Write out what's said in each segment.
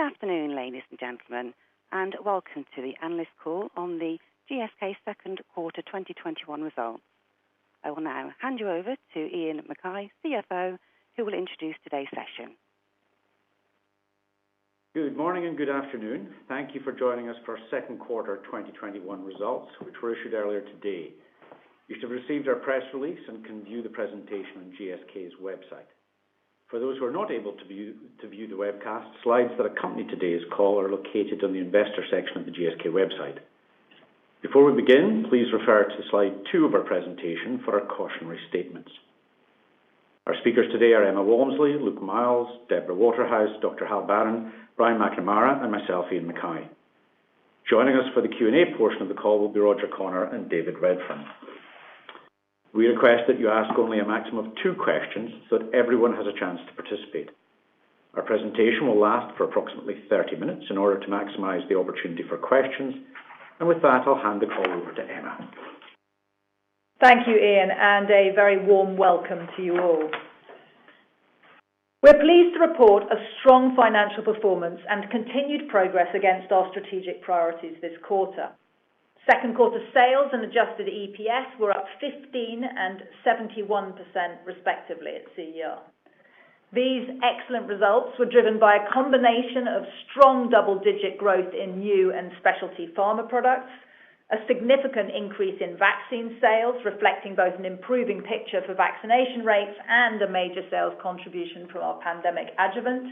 Good afternoon, ladies and gentlemen, and welcome to the analyst call on the GSK second quarter 2021 results. I will now hand you over to Iain Mackay, CFO, who will introduce today's session. Good morning and good afternoon. Thank you for joining us for second quarter 2021 results, which were issued earlier today. You should have received our press release and can view the presentation on GSK's website. For those who are not able to view the webcast, slides that accompany today's call are located on the investor section of the GSK website. Before we begin, please refer to slide two of our presentation for our cautionary statements. Our speakers today are Emma Walmsley, Luke Miels, Deborah Waterhouse, Dr. Hal Barron, Brian McNamara, and myself, Iain Mackay. Joining us for the Q&A portion of the call will be Roger Connor and David Redfern. We request that you ask only a maximum of two questions so that everyone has a chance to participate. Our presentation will last for approximately 30 minutes in order to maximize the opportunity for questions. With that, I'll hand the call over to Emma. Thank you, Iain, and a very warm welcome to you all. We are pleased to report a strong financial performance and continued progress against our strategic priorities this quarter. Second quarter sales and adjusted EPS were up 15% and 71% respectively at CER. These excellent results were driven by a combination of strong double-digit growth in new and specialty pharma products, a significant increase in vaccine sales, reflecting both an improving picture for vaccination rates and a major sales contribution from our pandemic adjuvant.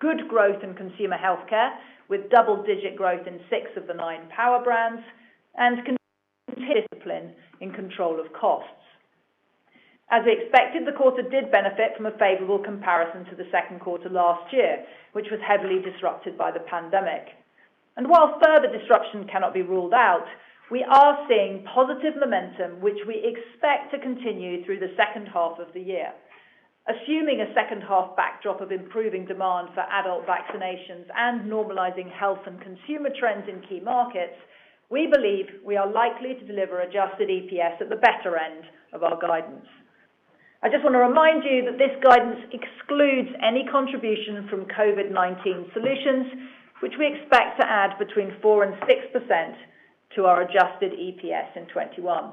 Good growth in consumer healthcare with double-digit growth in six of the nine power brands, and continued discipline in control of costs. As expected, the quarter did benefit from a favorable comparison to the second quarter last year, which was heavily disrupted by the pandemic. While further disruption cannot be ruled out, we are seeing positive momentum, which we expect to continue through the second half of the year. Assuming a second half backdrop of improving demand for adult vaccinations and normalizing health and consumer trends in key markets, we believe we are likely to deliver adjusted EPS at the better end of our guidance. I just want to remind you that this guidance excludes any contribution from COVID-19 solutions, which we expect to add between 4% and 6% to our adjusted EPS in 2021.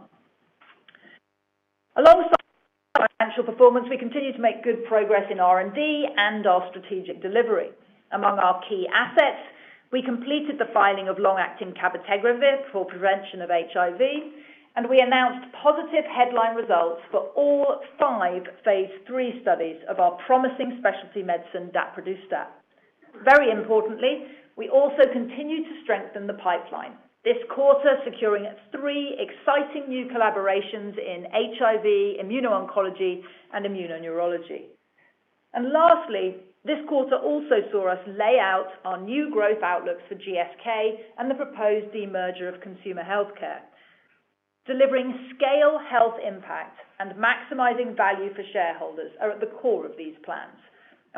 Alongside our financial performance, we continue to make good progress in R&D and our strategic delivery. Among our key assets, we completed the filing of long-acting cabotegravir for prevention of HIV, and we announced positive headline results for all five phase III studies of our promising specialty medicine, daprodustat. Very importantly, we also continue to strengthen the pipeline. This quarter, securing three exciting new collaborations in HIV, immuno-oncology, and neuroimmunology. Lastly, this quarter also saw us lay out our new growth outlook for GSK and the proposed demerger of consumer healthcare. Delivering scale health impact and maximizing value for shareholders are at the core of these plans.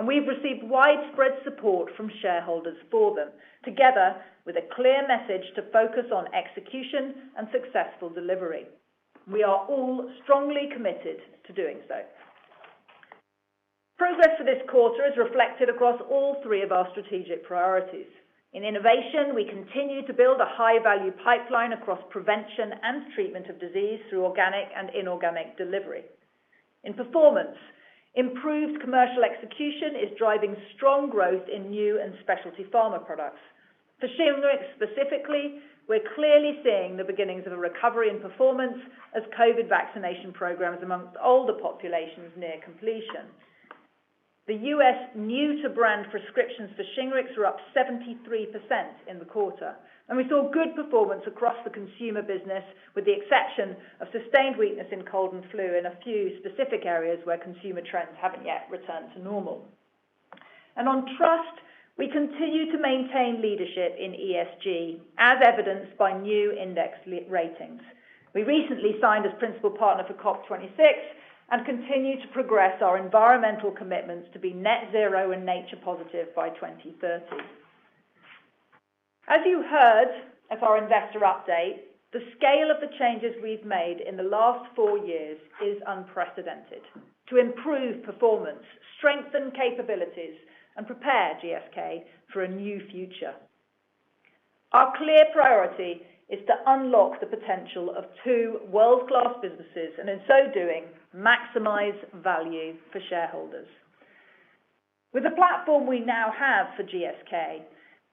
We've received widespread support from shareholders for them, together with a clear message to focus on execution and successful delivery. We are all strongly committed to doing so. Progress for this quarter is reflected across all three of our strategic priorities. In innovation, we continue to build a high-value pipeline across prevention and treatment of disease through organic and inorganic delivery. In performance, improved commercial execution is driving strong growth in new and specialty pharma products. For SHINGRIX specifically, we're clearly seeing the beginnings of a recovery in performance as COVID vaccination programs amongst older populations near completion. The U.S. new-to-brand prescriptions for SHINGRIX were up 73% in the quarter, and we saw good performance across the consumer business, with the exception of sustained weakness in cold and flu in a few specific areas where consumer trends haven't yet returned to normal. On trust, we continue to maintain leadership in ESG, as evidenced by new index ratings. We recently signed as principal partner for COP 26 and continue to progress our environmental commitments to be net zero and nature positive by 2030. As you heard of our investor update, the scale of the changes we've made in the last four years is unprecedented. To improve performance, strengthen capabilities, and prepare GSK for a new future. Our clear priority is to unlock the potential of two world-class businesses, and in so doing, maximize value for shareholders. With the platform we now have for GSK,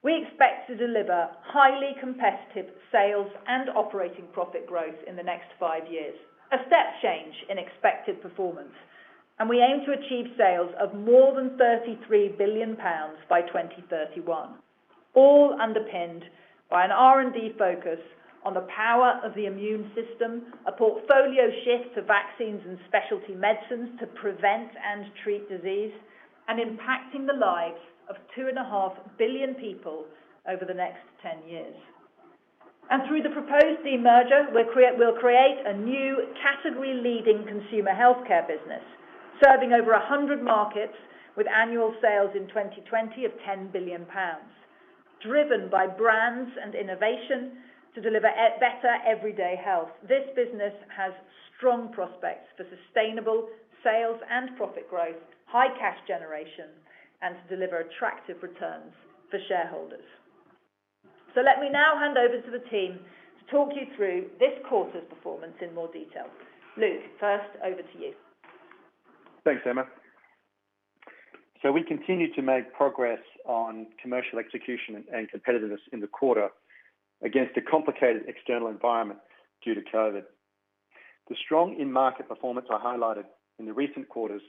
we expect to deliver highly competitive sales and operating profit growth in the next five years, a step change in expected performance. We aim to achieve sales of more than 33 billion pounds by 2031, all underpinned by an R&D focus on the power of the immune system, a portfolio shift to vaccines and specialty medicines to prevent and treat disease, and impacting the lives of 2.5 billion people over the next 10 years. Through the proposed demerger, we'll create a new category-leading consumer healthcare business, serving over 100 markets with annual sales in 2020 of 10 billion pounds. Driven by brands and innovation to deliver better everyday health. This business has strong prospects for sustainable sales and profit growth, high cash generation, and to deliver attractive returns for shareholders. Let me now hand over to the team to talk you through this quarter's performance in more detail. Luke, first over to you. Thanks, Emma. We continue to make progress on commercial execution and competitiveness in the quarter against a complicated external environment due to COVID. The strong in-market performance I highlighted in the recent quarters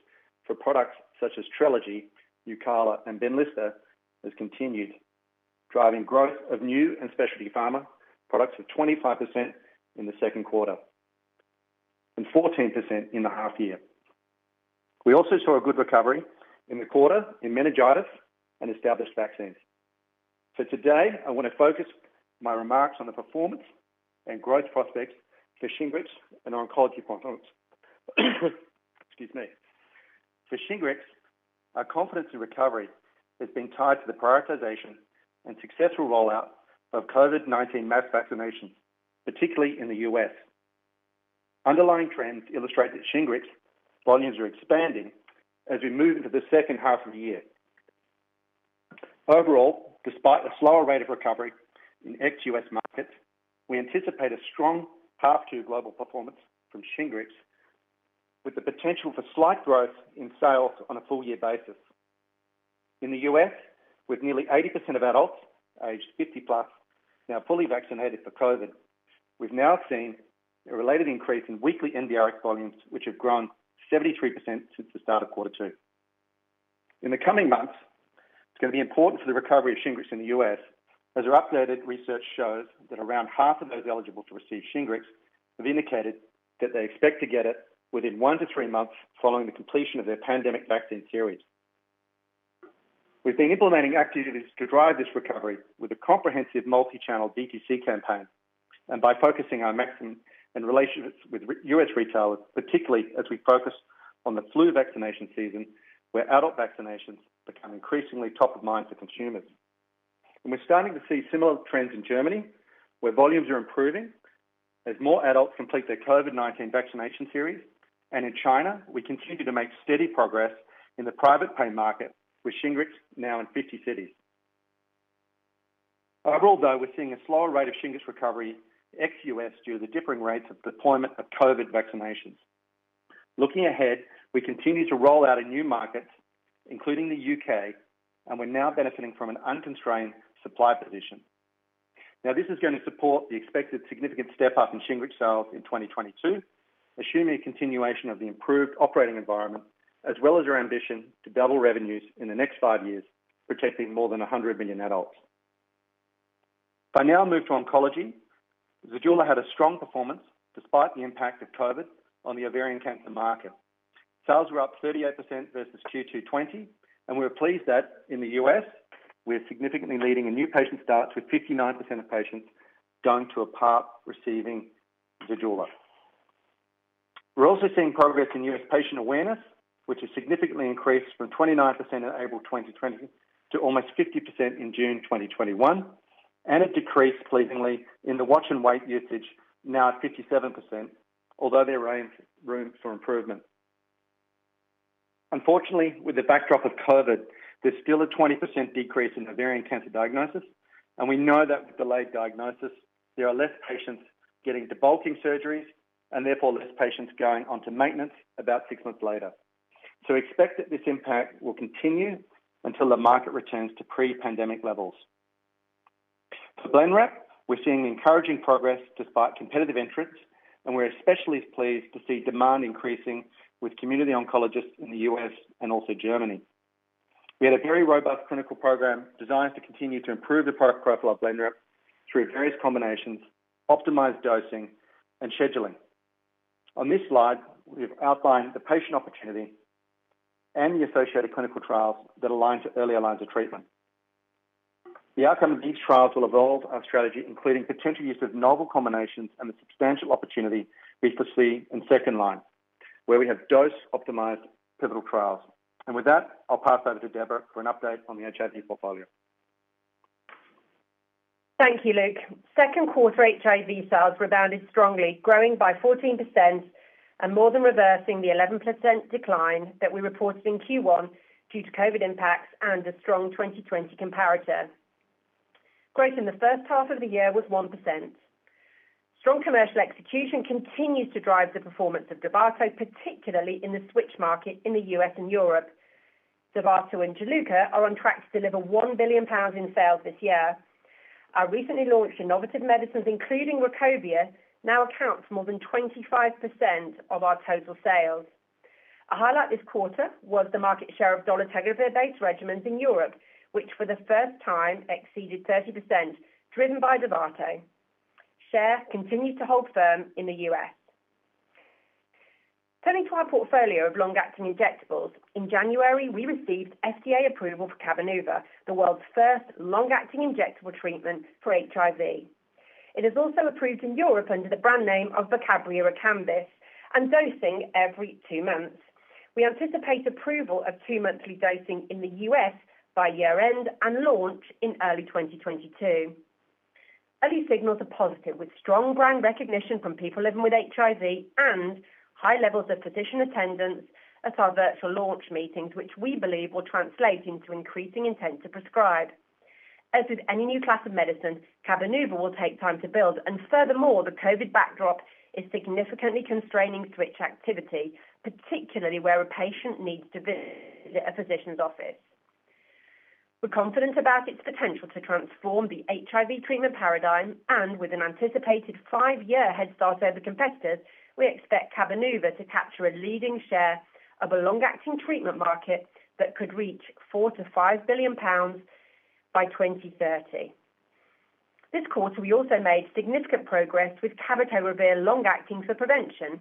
for products such as TRELEGY, NUCALA, and BENLYSTA has continued driving growth of new and specialty pharma products of 25% in the second quarter and 14% in the half year. We also saw a good recovery in the quarter in meningitis and established vaccines. Today, I want to focus my remarks on the performance and growth prospects for SHINGRIX and oncology products. Excuse me. For SHINGRIX, our confidence in recovery has been tied to the prioritization and successful rollout of COVID-19 mass vaccinations, particularly in the U.S. Underlying trends illustrate that SHINGRIX volumes are expanding as we move into the second half of the year. Overall, despite a slower rate of recovery in ex-U.S. markets, we anticipate a strong half two global performance from SHINGRIX, with the potential for slight growth in sales on a full year basis. In the U.S., with nearly 80% of adults aged 50+ now fully vaccinated for COVID, we've now seen a related increase in weekly NRx volumes, which have grown 73% since the start of quarter two. In the coming months, it's going to be important for the recovery of SHINGRIX in the U.S. as our updated research shows that around half of those eligible to receive SHINGRIX have indicated that they expect to get it within one to three months following the completion of their pandemic vaccine series. We've been implementing activities to drive this recovery with a comprehensive multi-channel DTC campaign by focusing our maximizing relationships with U.S. retailers, particularly as we focus on the flu vaccination season, where adult vaccinations become increasingly top of mind for consumers. We're starting to see similar trends in Germany, where volumes are improving as more adults complete their COVID-19 vaccination series. In China, we continue to make steady progress in the private pay market, with SHINGRIX now in 50 cities. Overall, though, we're seeing a slower rate of SHINGRIX recovery ex-U.S. due to the differing rates of deployment of COVID vaccinations. Looking ahead, we continue to roll out in new markets, including the U.K., and we're now benefiting from an unconstrained supply position. This is going to support the expected significant step up in SHINGRIX sales in 2022, assuming a continuation of the improved operating environment as well as our ambition to double revenues in the next five years, protecting more than 100 million adults. If I now move to oncology, ZEJULA had a strong performance despite the impact of COVID on the ovarian cancer market. Sales were up 38% versus Q2 '20, and we're pleased that in the U.S., we're significantly leading in new patient starts, with 59% of patients going to a PARP receiving ZEJULA. We're also seeing progress in U.S. patient awareness, which has significantly increased from 29% in April 2020 to almost 50% in June 2021, and a decrease pleasingly in the watch and wait usage, now at 57%, although there remains room for improvement. Unfortunately, with the backdrop of COVID, there's still a 20% decrease in ovarian cancer diagnosis. We know that with delayed diagnosis, there are less patients getting debulking surgeries and therefore less patients going onto maintenance about six months later. Expect that this impact will continue until the market returns to pre-pandemic levels. For BLENREP, we're seeing encouraging progress despite competitive entrants, and we're especially pleased to see demand increasing with community oncologists in the U.S. and also Germany. We had a very robust clinical program designed to continue to improve the product profile of BLENREP through various combinations, optimized dosing, and scheduling. On this slide, we've outlined the patient opportunity and the associated clinical trials that align to earlier lines of treatment. The outcome of these trials will evolve our strategy, including potential use of novel combinations and the substantial opportunity we foresee in second line, where we have dose-optimized pivotal trials. With that, I'll pass over to Deborah for an update on the HIV portfolio. Thank you, Luke. Second quarter HIV sales rebounded strongly, growing by 14% and more than reversing the 11% decline that we reported in Q1 due to COVID impacts and a strong 2020 comparator. Growth in the first half of the year was 1%. Strong commercial execution continues to drive the performance of DOVATO, particularly in the switch market in the U.S. and Europe. DOVATO and Gilead are on track to deliver 1 billion pounds in sales this year. Our recently launched innovative medicines, including Rukobia, now account for more than 25% of our total sales. A highlight this quarter was the market share of dolutegravir-based regimens in Europe, which for the first time exceeded 30%, driven by DOVATO. Share continued to hold firm in the U.S. Turning to our portfolio of long-acting injectables, in January, we received FDA approval for CABENUVA, the world's first long-acting injectable treatment for HIV. It is also approved in Europe under the brand name of CABENUVA, and dosing every two months. We anticipate approval of two-monthly dosing in the U.S. by year-end, and launch in early 2022. Early signals are positive with strong brand recognition from people living with HIV, and high levels of physician attendance at our virtual launch meetings, which we believe will translate into increasing intent to prescribe. As with any new class of medicine, CABENUVA will take time to build, and furthermore, the COVID backdrop is significantly constraining switch activity, particularly where a patient needs to visit a physician's office. We're confident about its potential to transform the HIV treatment paradigm and with an anticipated five-year head start over competitors, we expect CABENUVA to capture a leading share of a long-acting treatment market that could reach 4 billion-5 billion pounds by 2030. This quarter, we also made significant progress with cabotegravir long-acting for prevention.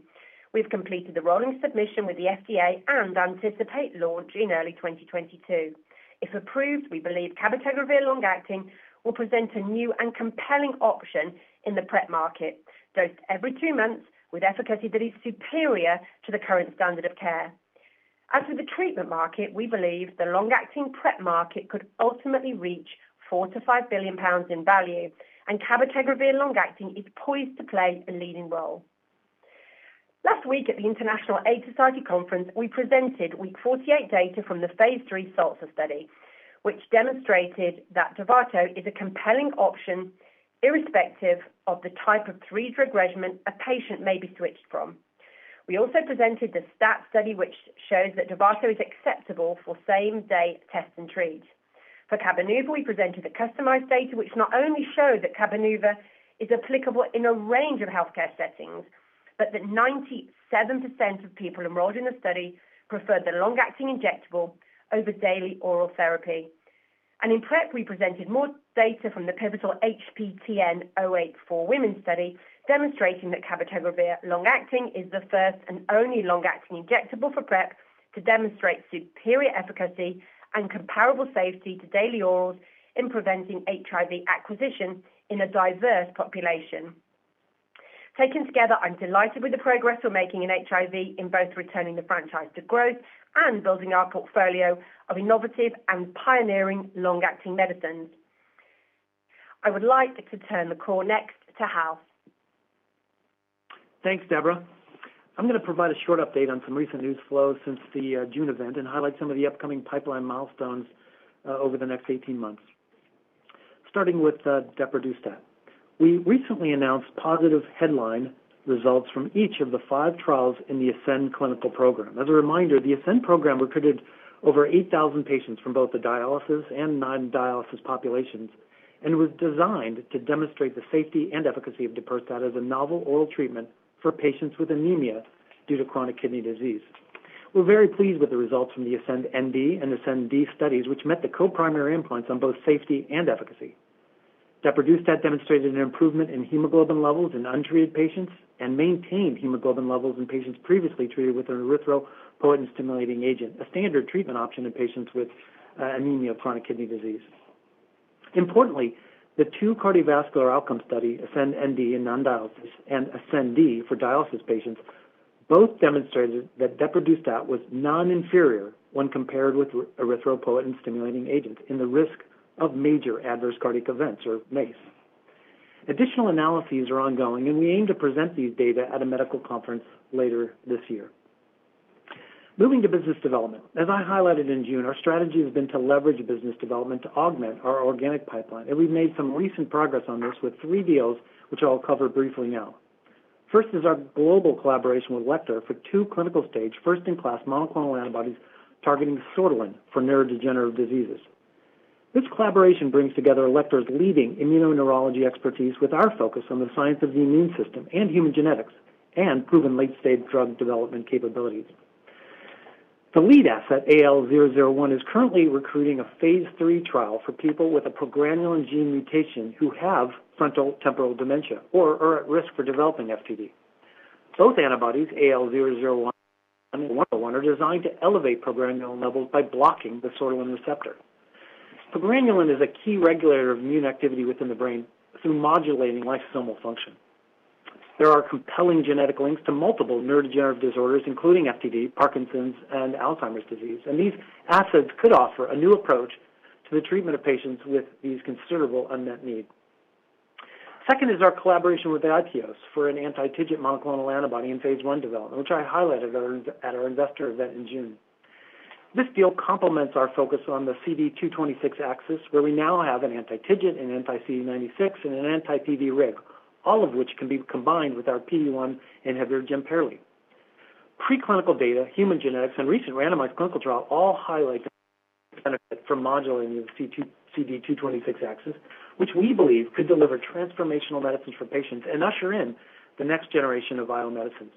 We've completed the rolling submission with the FDA and anticipate launch in early 2022. If approved, we believe cabotegravir long-acting will present a new and compelling option in the PrEP market, dosed every two months with efficacy that is superior to the current standard of care. As with the treatment market, we believe the long-acting PrEP market could ultimately reach 4 billion-5 billion pounds in value, and cabotegravir long-acting is poised to play a leading role. Last week at the International AIDS Conference, we presented week 48 data from the phase III SALSA study, which demonstrated that DOVATO is a compelling option irrespective of the type of three-drug regimen a patient may be switched from. We also presented the STAT study, which shows that DOVATO is acceptable for same-day test and treat. For CABENUVA, we presented the CUSTOMIZE data, which not only showed that CABENUVA is applicable in a range of healthcare settings, but that 97% of people enrolled in the study preferred the long-acting injectable over daily oral therapy. In PrEP, we presented more data from the pivotal HPTN 084 study demonstrating that cabotegravir long-acting is the first and only long-acting injectable for PrEP to demonstrate superior efficacy and comparable safety to daily orals in preventing HIV acquisition in a diverse population. Taken together, I'm delighted with the progress we're making in HIV in both returning the franchise to growth and building our portfolio of innovative and pioneering long-acting medicines. I would like to turn the call next to Hal. Thanks, Deborah. I'm going to provide a short update on some recent news flow since the June event and highlight some of the upcoming pipeline milestones over the next 18 months. Starting with daprodustat. We recently announced positive headline results from each of the five trials in the ASCEND clinical program. As a reminder, the ASCEND program recruited over 8,000 patients from both the dialysis and non-dialysis populations and was designed to demonstrate the safety and efficacy of daprodustat as a novel oral treatment for patients with anemia due to chronic kidney disease. We're very pleased with the results from the ASCEND-ND and ASCEND-D studies, which met the co-primary endpoints on both safety and efficacy. Daprodustat demonstrated an improvement in hemoglobin levels in untreated patients and maintained hemoglobin levels in patients previously treated with an erythropoiesis-stimulating agent, a standard treatment option in patients with anemia chronic kidney disease. Importantly, the two cardiovascular outcome study, ASCEND-ND in non-dialysis and ASCEND-D for dialysis patients, both demonstrated that daprodustat was non-inferior when compared with erythropoiesis-stimulating agents in the risk of major adverse cardiac events, or MACE. Additional analyses are ongoing, we aim to present these data at a medical conference later this year. Moving to business development. As I highlighted in June, our strategy has been to leverage business development to augment our organic pipeline, and we've made some recent progress on this with three deals, which I'll cover briefly now. First is our global collaboration with Alector for two clinical-stage, first-in-class monoclonal antibodies targeting sortilin for neurodegenerative diseases. This collaboration brings together Alector's leading immuno-neurology expertise with our focus on the science of the immune system and human genetics, and proven late-stage drug development capabilities. The lead asset, AL001, is currently recruiting a phase III trial for people with a progranulin gene mutation who have frontotemporal dementia or are at risk for developing FTD. Both antibodies, AL001 and AL101, are designed to elevate progranulin levels by blocking the sortilin receptor. Progranulin is a key regulator of immune activity within the brain through modulating lysosomal function. There are compelling genetic links to multiple neurodegenerative disorders, including FTD, Parkinson's, and Alzheimer's disease, and these assets could offer a new approach to the treatment of patients with these considerable unmet need. Second is our collaboration with iTeos for an anti-TIGIT monoclonal antibody in phase I development, which I highlighted at our investor event in June. This deal complements our focus on the CD226 axis, where we now have an anti-TIGIT, an anti-CD96, and an anti-PVRIG, all of which can be combined with our PD-1 inhibitor, Jemperli. Preclinical data, human genetics, and recent randomized clinical trial all highlight benefit for modulating the CD226 axis, which we believe could deliver transformational medicines for patients and usher in the next generation of bio-medicines.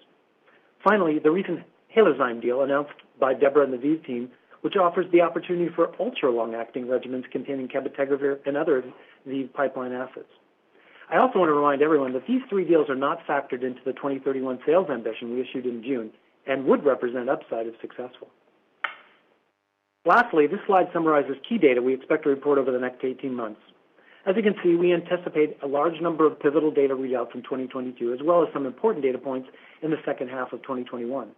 The recent Halozyme deal announced by Deborah and the ViiV team, which offers the opportunity for ultra-long-acting regimens containing cabotegravir and other ViiV pipeline assets. I also want to remind everyone that these three deals are not factored into the 2031 sales ambition we issued in June and would represent upside if successful. This slide summarizes key data we expect to report over the next 18 months. As you can see, we anticipate a large number of pivotal data readouts in 2022, as well as some important data points in the second half of 2021.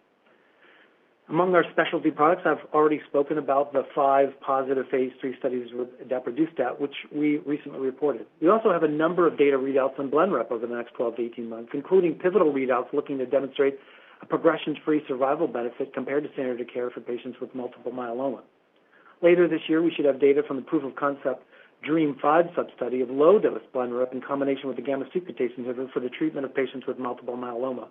Among our specialty products, I've already spoken about the five positive phase III studies with daprodustat, which we recently reported. We also have a number of data readouts on BLENREP over the next 12-18 months, including pivotal readouts looking to demonstrate a progression-free survival benefit compared to standard of care for patients with multiple myeloma. Later this year, we should have data from the proof of concept DREAMM-5 substudy of low-dose BLENREP in combination with the gamma secretase inhibitor for the treatment of patients with multiple myeloma.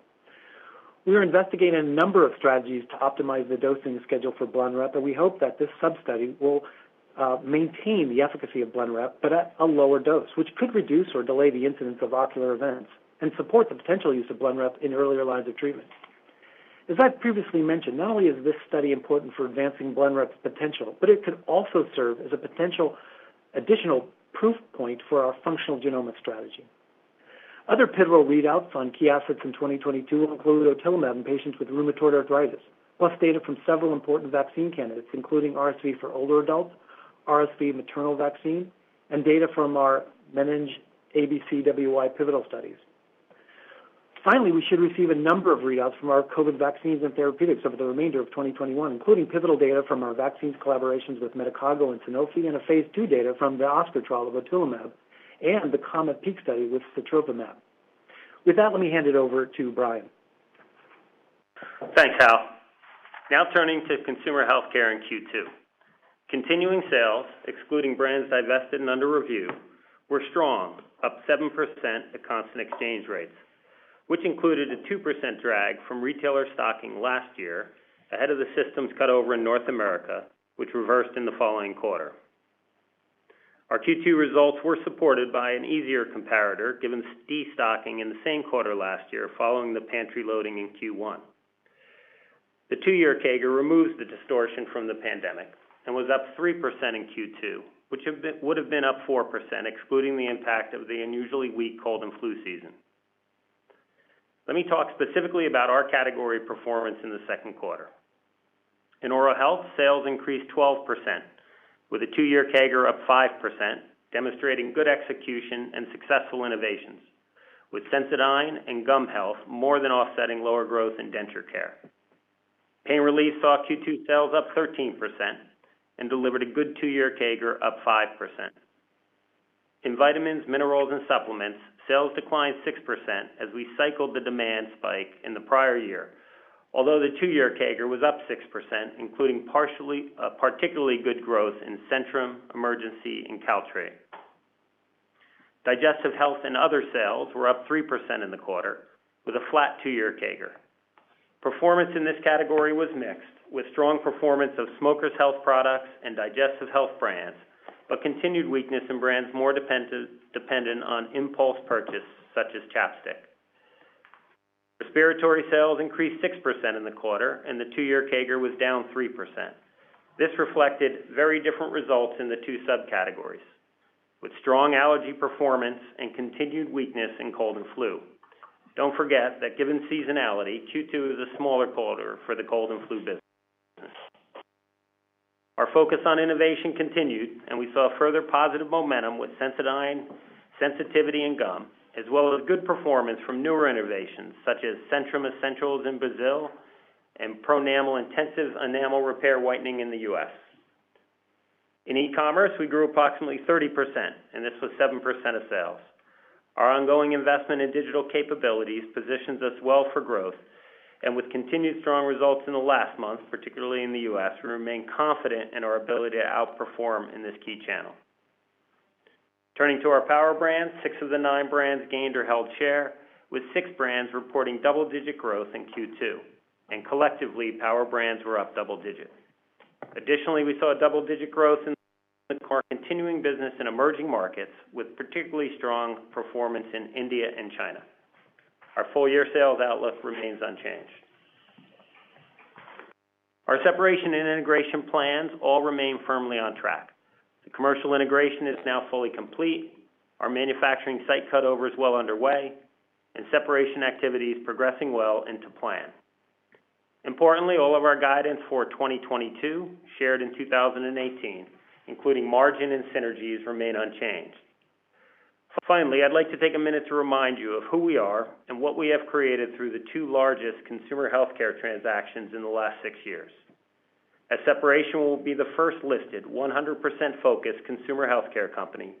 We are investigating a number of strategies to optimize the dosing schedule for BLENREP. We hope that this substudy will maintain the efficacy of BLENREP, but at a lower dose, which could reduce or delay the incidence of ocular events and support the potential use of BLENREP in earlier lines of treatment. As I've previously mentioned, not only is this study important for advancing BLENREP's potential, but it could also serve as a potential additional proof point for our functional genomics strategy. Other pivotal readouts on key assets in 2022 will include otilimumab in patients with rheumatoid arthritis, plus data from several important vaccine candidates, including RSV for older adults, RSV maternal vaccine, and data from our MenABCWY pivotal studies. Finally, we should receive a number of readouts from our COVID vaccines and therapeutics over the remainder of 2021, including pivotal data from our vaccines collaborations with Medicago and Sanofi, and phase II data from the OSCAR trial of otilimumab, and the COMET-PEAK study with sotrovimab. With that, let me hand it over to Brian. Thanks, Hal. Now turning to consumer healthcare in Q2. Continuing sales, excluding brands divested and under review, were strong, up 7% at constant exchange rates, which included a 2% drag from retailer stocking last year ahead of the systems cut over in North America, which reversed in the following quarter. Our Q2 results were supported by an easier comparator, given de-stocking in the same quarter last year, following the pantry loading in Q1. The two-year CAGR removes the distortion from the pandemic and was up 3% in Q2, which would've been up 4%, excluding the impact of the unusually weak cold and flu season. Let me talk specifically about our category performance in the second quarter. In oral health, sales increased 12%, with a two-year CAGR up 5%, demonstrating good execution and successful innovations, with Sensodyne and gum health more than offsetting lower growth in denture care. Pain relief saw Q2 sales up 13% and delivered a good two-year CAGR up 5%. In vitamins, minerals, and supplements, sales declined 6% as we cycled the demand spike in the prior year, although the two-year CAGR was up 6%, including particularly good growth in Centrum, Emergen-C, and Caltrate. Digestive health and other sales were up 3% in the quarter, with a flat two-year CAGR. Performance in this category was mixed, with strong performance of smokers' health products and digestive health brands, but continued weakness in brands more dependent on impulse purchase, such as ChapStick. Respiratory sales increased 6% in the quarter, and the two-year CAGR was down 3%. This reflected very different results in the two subcategories, with strong allergy performance and continued weakness in cold and flu. Don't forget that given seasonality, Q2 is a smaller quarter for the cold and flu business. Our focus on innovation continued. We saw further positive momentum with Sensodyne, sensitivity, and gum, as well as good performance from newer innovations such as Centrum Essentials in Brazil and Pronamel Intensive Enamel Repair Whitening in the U.S. In e-commerce, we grew approximately 30%. This was 7% of sales. Our ongoing investment in digital capabilities positions us well for growth. With continued strong results in the last month, particularly in the U.S., we remain confident in our ability to outperform in this key channel. Turning to our Power Brands, six of the nine brands gained or held share, with six brands reporting double-digit growth in Q2. Collectively, Power Brands were up double digits. Additionally, we saw a double-digit growth in continuing business in emerging markets, with particularly strong performance in India and China. Our full-year sales outlook remains unchanged. Our separation and integration plans all remain firmly on track. The commercial integration is now fully complete. Our manufacturing site cutover is well underway, and separation activity is progressing well and to plan. Importantly, all of our guidance for 2022, shared in 2018, including margin and synergies, remain unchanged. Finally, I'd like to take a minute to remind you of who we are and what we have created through the two largest consumer healthcare transactions in the last 6 years. At separation, we'll be the first listed 100% focused consumer healthcare company,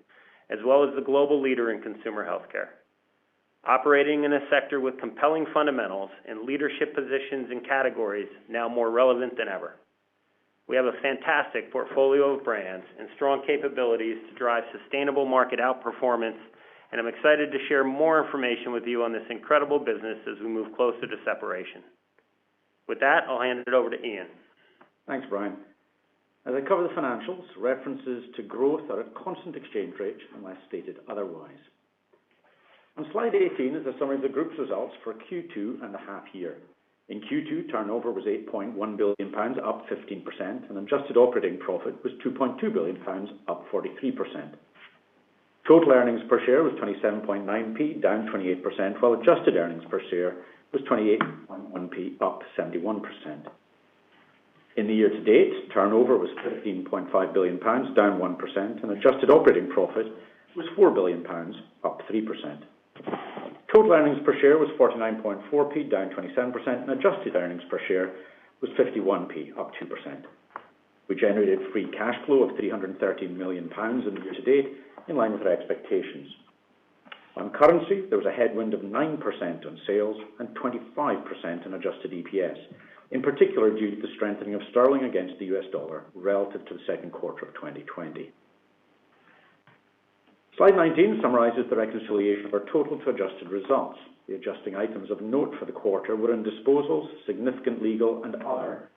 as well as the global leader in consumer healthcare. Operating in a sector with compelling fundamentals and leadership positions and categories now more relevant than ever. We have a fantastic portfolio of brands and strong capabilities to drive sustainable market outperformance, and I'm excited to share more information with you on this incredible business as we move closer to separation. With that, I'll hand it over to Iain. Thanks, Brian. As I cover the financials, references to growth are at constant exchange rates, unless stated otherwise. On slide 18 is a summary of the group's results for Q2 and the half year. In Q2, turnover was GBP 8.1 billion, up 15%, and adjusted operating profit was GBP 2.2 billion, up 43%. Total earnings per share was 0.279, down 28%, while adjusted earnings per share was 0.281, up 71%. In the year to date, turnover was GBP 13.5 billion, down 1%, and adjusted operating profit was GBP 4 billion, up 3%. Total earnings per share was 0.494, down 27%, and adjusted earnings per share was 0.51, up 2%. We generated free cash flow of 313 million pounds in the year to date, in line with our expectations. On currency, there was a headwind of 9% on sales and 25% on adjusted EPS, in particular due to the strengthening of sterling against the U.S. dollar relative to the second quarter of 2020. Slide 19 summarizes the reconciliation of our total to adjusted results. The adjusting items of note for the quarter were in disposals, significant legal and other,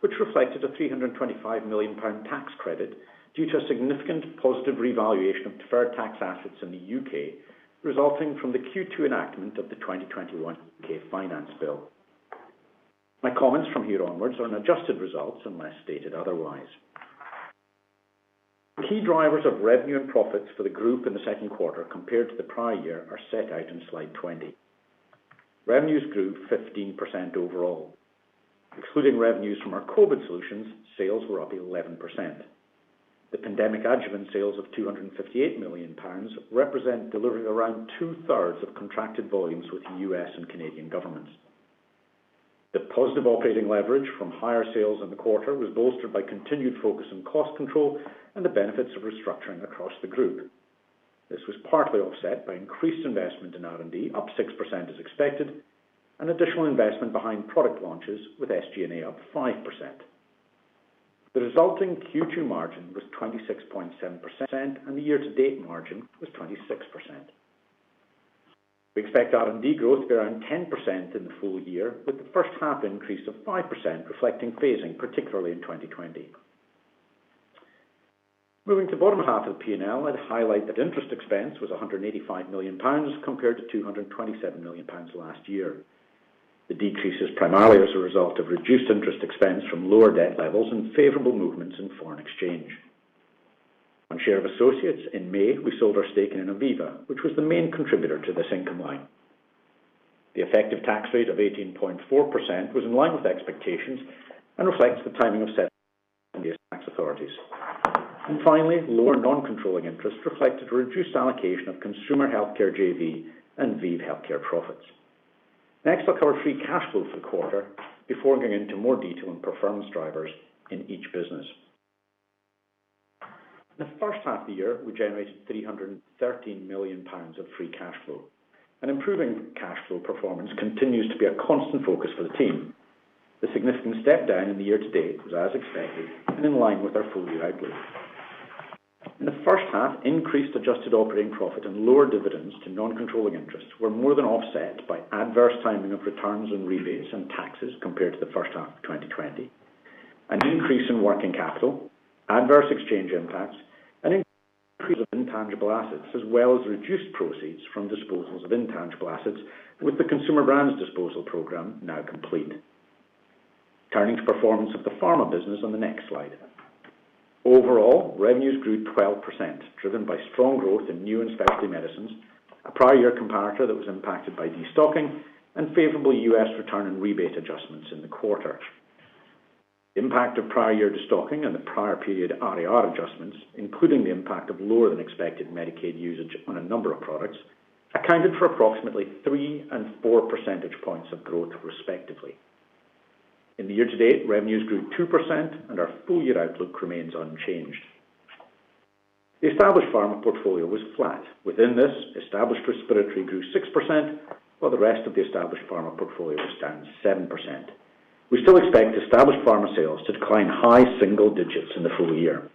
which reflected a 325 million pound tax credit due to a significant positive revaluation of deferred tax assets in the U.K., resulting from the Q2 enactment of the 2021 U.K. Finance Bill. My comments from here onwards are on adjusted results unless stated otherwise. The key drivers of revenue and profits for the group in the second quarter compared to the prior year are set out in Slide 20. Revenues grew 15% overall. Excluding revenues from our COVID solutions, sales were up 11%. The pandemic adjuvant sales of 258 million pounds represent delivering around two-thirds of contracted volumes with the U.S. and Canadian governments. The positive operating leverage from higher sales in the quarter was bolstered by continued focus on cost control and the benefits of restructuring across the group. This was partly offset by increased investment in R&D, up 6% as expected, and additional investment behind product launches with SG&A up 5%. The resulting Q2 margin was 26.7%, and the year-to-date margin was 26%. We expect R&D growth to be around 10% in the full year, with the first half increase of 5% reflecting phasing, particularly in 2020. Moving to bottom half of the P&L, I'd highlight that interest expense was 185 million pounds compared to 227 million pounds last year. The decrease is primarily as a result of reduced interest expense from lower debt levels and favorable movements in foreign exchange. On share of associates in May, we sold our stake in Innoviva, which was the main contributor to this income line. The effective tax rate of 18.4% was in line with expectations and reflects the timing of settlements with India's tax authorities. Finally, lower non-controlling interests reflected reduced allocation of Consumer Healthcare JV and ViiV Healthcare profits. Next, I'll cover free cash flow for the quarter before going into more detail on performance drivers in each business. In the first half of the year, we generated 313 million pounds of free cash flow. Improving cash flow performance continues to be a constant focus for the team. The significant step down in the year to date was as expected and in line with our full-year outlook. In the first half, increased adjusted operating profit and lower dividends to non-controlling interests were more than offset by adverse timing of returns and rebates and taxes compared to the first half of 2020, an increase in working capital, adverse exchange impacts, and increase of intangible assets, as well as reduced proceeds from disposals of intangible assets with the Consumer Brands disposal program now complete. Turning to performance of the pharma business on the next slide. Overall, revenues grew 12%, driven by strong growth in new and established medicines, a prior year comparator that was impacted by destocking, and favorable U.S. return and rebate adjustments in the quarter. Impact of prior year destocking and the prior period RAR adjustments, including the impact of lower than expected Medicaid usage on a number of products, accounted for approximately 3 and 4 percentage points of growth respectively. In the year to date, revenues grew 2%, and our full-year outlook remains unchanged. The established pharma portfolio was flat. Within this, established respiratory grew 6%, while the rest of the established pharma portfolio was down 7%. We still expect established pharma sales to decline high single digits in the full year.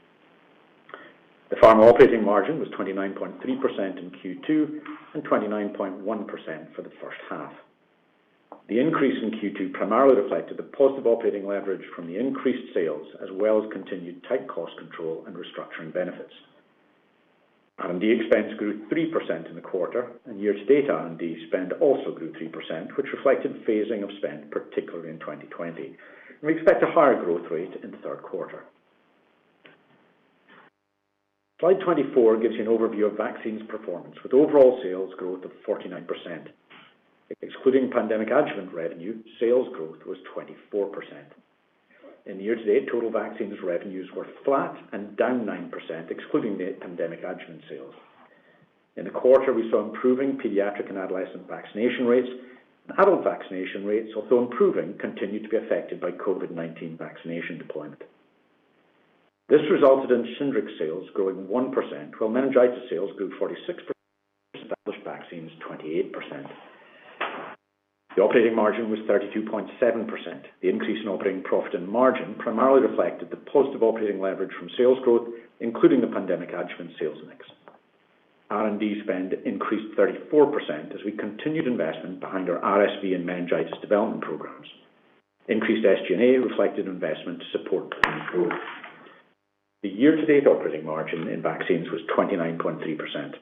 The pharma operating margin was 29.3% in Q2 and 29.1% for the first half. The increase in Q2 primarily reflected the positive operating leverage from the increased sales, as well as continued tight cost control and restructuring benefits. R&D expense grew 3% in the quarter. Year to date, R&D spend also grew 3%, which reflected phasing of spend, particularly in 2020. We expect a higher growth rate in the third quarter. Slide 24 gives you an overview of vaccines performance with overall sales growth of 49%. Excluding pandemic adjuvant revenue, sales growth was 24%. In the year to date, total vaccines revenues were flat and down 9%, excluding the pandemic adjuvant sales. In the quarter, we saw improving pediatric and adolescent vaccination rates and adult vaccination rates, although improving, continued to be affected by COVID-19 vaccination deployment. This resulted in SHINGRIX sales growing 1%, while meningitis sales grew 46%, established vaccines 28%. The operating margin was 32.7%. The increase in operating profit and margin primarily reflected the positive operating leverage from sales growth, including the pandemic adjuvant sales mix. R&D spend increased 34% as we continued investment behind our RSV and meningitis development programs. Increased SG&A reflected investment to support continued growth. The year-to-date operating margin in vaccines was 29.3%.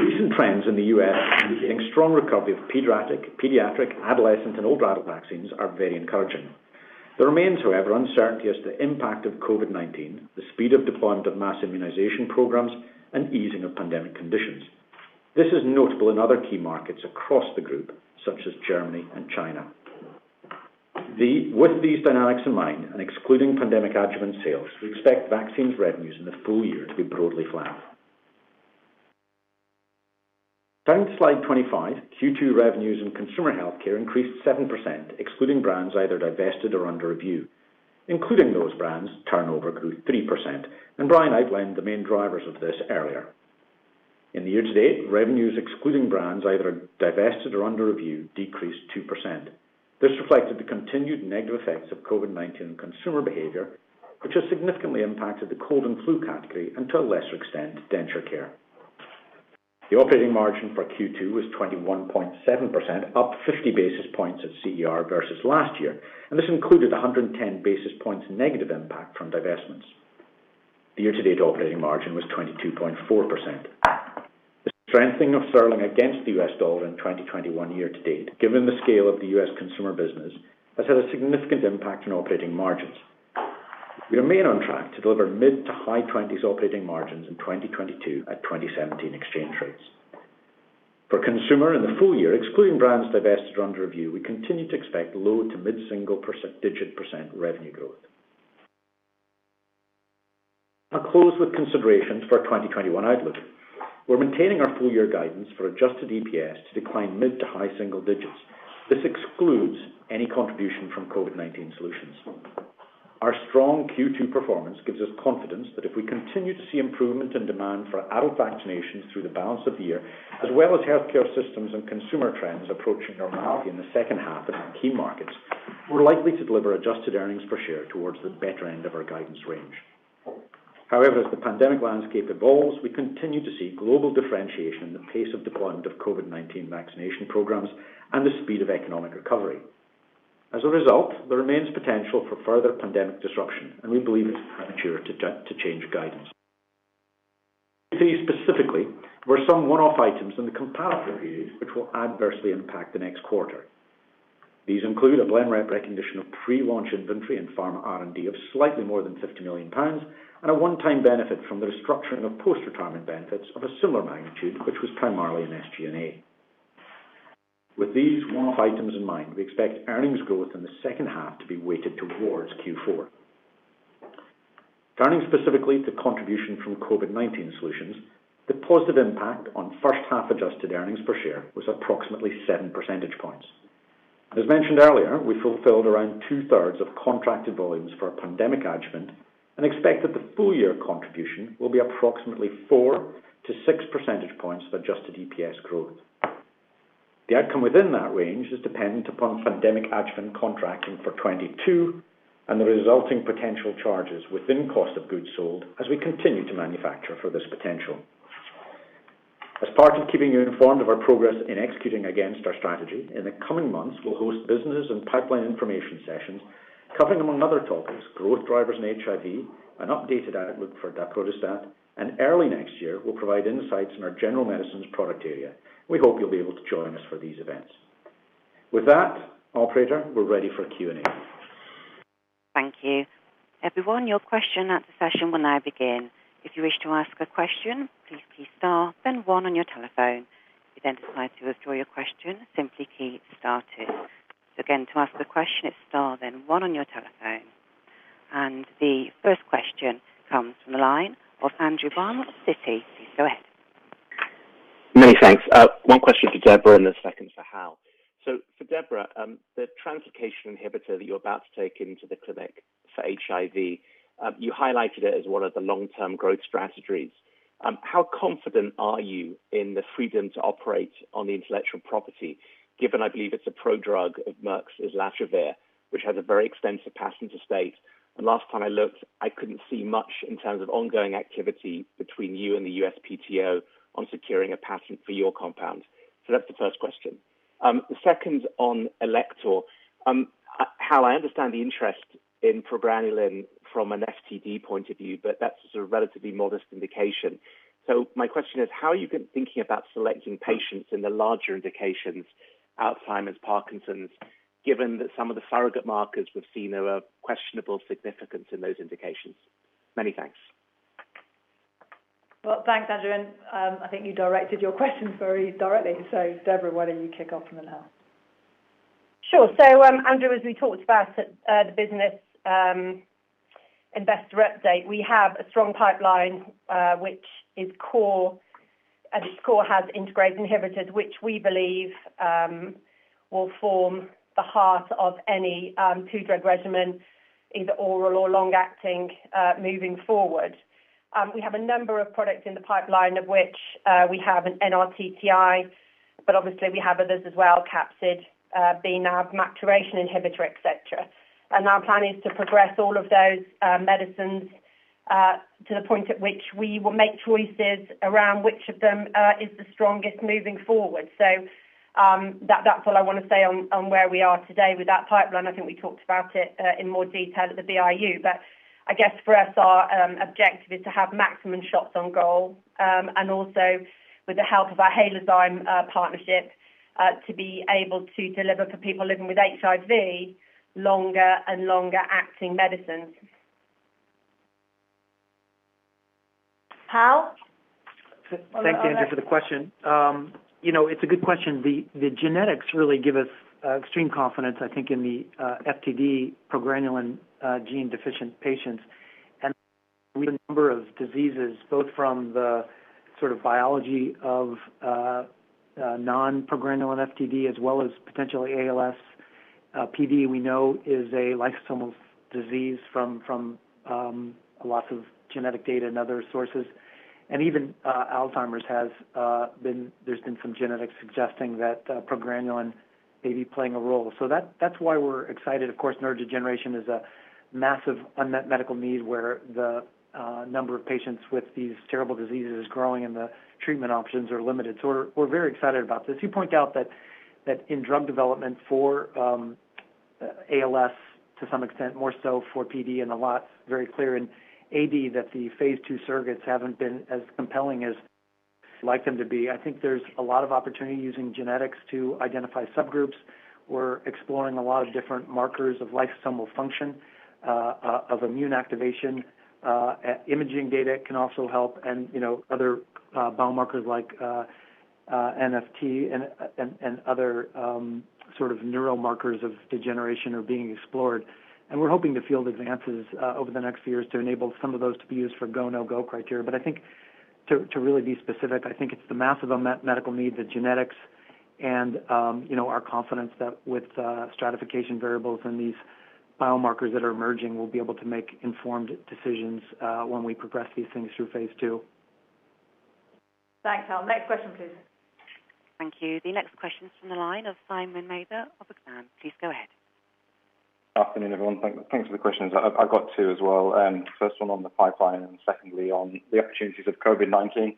Recent trends in the U.S. and the strong recovery of pediatric, adolescent, and adult vaccines are very encouraging. There remains, however, uncertainty as to the impact of COVID-19, the speed of deployment of mass immunization programs, and easing of pandemic conditions. This is notable in other key markets across the group, such as Germany and China. With these dynamics in mind and excluding pandemic adjuvant sales, we expect vaccines revenues in the full year to be broadly flat. Turning to slide 25, Q2 revenues in Consumer Healthcare increased 7%, excluding brands either divested or under review. Including those brands, turnover grew 3%, and Brian outlined the main drivers of this earlier. In the year to date, revenues excluding brands either divested or under review decreased 2%. This reflected the continued negative effects of COVID-19 on consumer behavior, which has significantly impacted the cold and flu category and to a lesser extent, denture care. The operating margin for Q2 was 21.7%, up 50 basis points at CER versus last year, and this included 110 basis points negative impact from divestments. The year-to-date operating margin was 22.4%. The strengthening of sterling against the U.S. dollar in 2021 year to date, given the scale of the U.S. consumer business, has had a significant impact on operating margins. We remain on track to deliver mid to high 20s operating margins in 2022 at 2017 exchange rates. For consumer in the full year, excluding brands divested or under review, we continue to expect low to mid-single digit percent revenue growth. I'll close with considerations for our 2021 outlook. We're maintaining our full year guidance for adjusted EPS to decline mid to high single digits. This excludes any contribution from COVID-19 solutions. Our strong Q2 performance gives us confidence that if we continue to see improvement in demand for adult vaccinations through the balance of the year, as well as healthcare systems and consumer trends approaching normality in the second half in our key markets, we're likely to deliver adjusted earnings per share towards the better end of our guidance range. However, as the pandemic landscape evolves, we continue to see global differentiation in the pace of deployment of COVID-19 vaccination programs and the speed of economic recovery. As a result, there remains potential for further pandemic disruption, and we believe it's premature to change guidance. To be specific, there were some one-off items in the comparative period which will adversely impact the next quarter. These include BLENREP recognition of pre-launch inventory and Pharma R&D of slightly more than 50 million pounds, and a one-time benefit from the restructuring of post-retirement benefits of a similar magnitude, which was primarily in SG&A. With these one-off items in mind, we expect earnings growth in the second half to be weighted towards Q4. Turning specifically to contribution from COVID-19 solutions, the positive impact on first half adjusted earnings per share was approximately 7 percentage points. As mentioned earlier, we fulfilled around two-thirds of contracted volumes for our pandemic adjuvant and expect that the full year contribution will be approximately 4-6 percentage points of adjusted EPS growth. The outcome within that range is dependent upon pandemic adjuvant contracting for 2022 and the resulting potential charges within cost of goods sold as we continue to manufacture for this potential. As part of keeping you informed of our progress in executing against our strategy, in the coming months, we'll host business and pipeline information sessions covering, among other topics, growth drivers in HIV, an updated outlook for daprodustat, and early next year, we'll provide insights on our general medicines product area. We hope you'll be able to join us for these events. With that, operator, we're ready for Q&A. The first question comes from the line of Andrew Baum at Citi. Please go ahead. Many thanks. One question to Deborah and the second for Hal. For Deborah, the translocation inhibitor that you're about to take into the clinic for HIV. You highlighted it as one of the long-term growth strategies. How confident are you in the freedom to operate on the intellectual property, given I believe it's a prodrug of Merck's islatravir, which has a very extensive patent estate, and last time I looked, I couldn't see much in terms of ongoing activity between you and the USPTO on securing a patent for your compound? That's the first question. The second on Alector. Hal, I understand the interest in progranulin from an FTD point of view, that's a relatively modest indication. My question is, how are you thinking about selecting patients in the larger indications, Alzheimer's, Parkinson's, given that some of the surrogate markers we've seen are of questionable significance in those indications? Many thanks. Thanks, Andrew, and I think you directed your questions very directly. Deborah, why don't you kick off on the first? Andrew, as we talked about at the business investor update, we have a strong pipeline, which is core, and this core has integrase inhibitors, which we believe will form the heart of any two-drug regimen, either oral or long-acting, moving forward. We have a number of products in the pipeline, of which we have an NRTTI. Obviously we have others as well, capsid, bNAb, maturation inhibitor, et cetera. Our plan is to progress all of those medicines To the point at which we will make choices around which of them is the strongest moving forward. That's all I want to say on where we are today with that pipeline. I think we talked about it in more detail at the BIU. I guess for us, our objective is to have maximum shots on goal. Also with the help of our Halozyme partnership, to be able to deliver for people living with HIV, longer and longer-acting medicines. Hal? Thanks, Andrew, for the question. It's a good question. The genetics really give us extreme confidence, I think, in the FTD progranulin gene-deficient patients. The number of diseases, both from the sort of biology of non-progranulin FTD as well as potentially ALS. PD, we know, is a lysosomal disease from a loss of genetic data and other sources. Even Alzheimer's, there's been some genetics suggesting that progranulin may be playing a role. That's why we're excited. Of course, neurodegeneration is a massive unmet medical need where the number of patients with these terrible diseases is growing and the treatment options are limited. We're very excited about this. You point out that in drug development for ALS, to some extent, more so for PD and a lot very clear in AD, that the phase II surrogates haven't been as compelling as we'd like them to be. I think there's a lot of opportunity using genetics to identify subgroups. We're exploring a lot of different markers of lysosomal function, of immune activation. Imaging data can also help and other biomarkers like NfL and other sort of neural markers of degeneration are being explored. We're hoping to field advances over the next few years to enable some of those to be used for go, no-go criteria. I think to really be specific, I think it's the massive unmet medical need, the genetics, and our confidence that with stratification variables and these biomarkers that are emerging, we'll be able to make informed decisions when we progress these things through phase II. Thanks, Hal. Next question, please. Thank you. The next question is from the line of Simon Mather of Exane. Please go ahead. Afternoon, everyone. Thanks for the questions. I've got two as well. First one on the pipeline, secondly on the opportunities of COVID-19.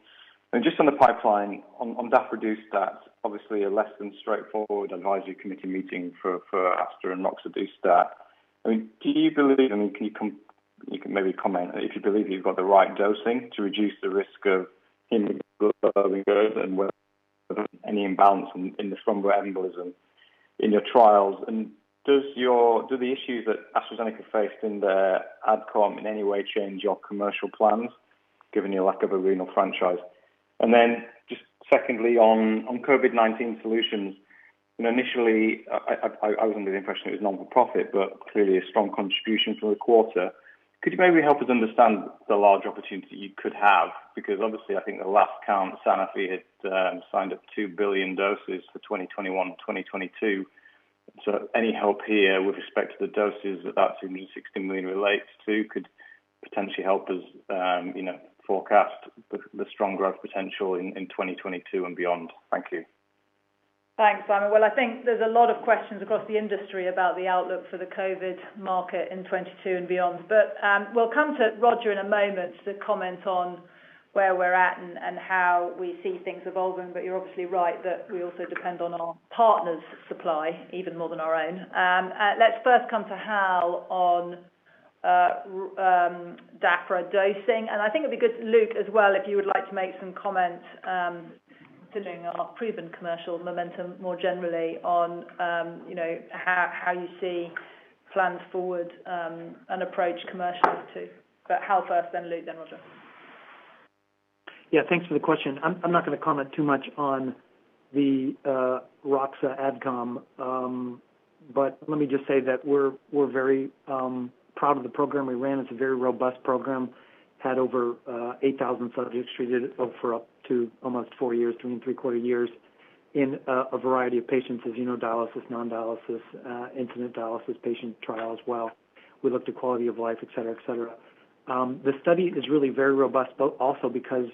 Just on the pipeline, on daprodustat, obviously a less than straightforward advisory committee meeting for Astra and roxadustat. You can maybe comment if you believe you've got the right dosing to reduce the risk of any imbalance in the thromboembolism in your trials. Do the issues that AstraZeneca faced in their ADCOM in any way change your commercial plans, given your lack of a renal franchise? Just secondly, on COVID-19 solutions, initially, I was under the impression it was not-for-profit, but clearly a strong contribution for the quarter. Could you maybe help us understand the large opportunity you could have? Obviously, I think at the last count, Sanofi had signed up 2 billion doses for 2021, 2022. Any help here with respect to the doses that that 260 million relates to could potentially help us forecast the strong growth potential in 2022 and beyond. Thank you. Thanks, Simon. Well, I think there's a lot of questions across the industry about the outlook for the COVID market in 2022 and beyond. We'll come to Roger in a moment to comment on where we're at and how we see things evolving. You're obviously right that we also depend on our partners' supply even more than our own. Let's first come to Hal on daprodustat dosing. I think it'd be good, Luke, as well, if you would like to make some comments considering our proven commercial momentum more generally on how you see plans forward and approach commercials too. Hal first, then Luke, then Roger. Thanks for the question. I'm not going to comment too much on the roxadustat ADCOM. Let me just say that we're very proud of the program we ran. It's a very robust program. Had over 8,000 subjects treated for up to almost four years, three and three-quarter years, in a variety of patients, as you know, dialysis, non-dialysis, incident dialysis patient trial as well. We looked at quality of life, et cetera. The study is really very robust, also because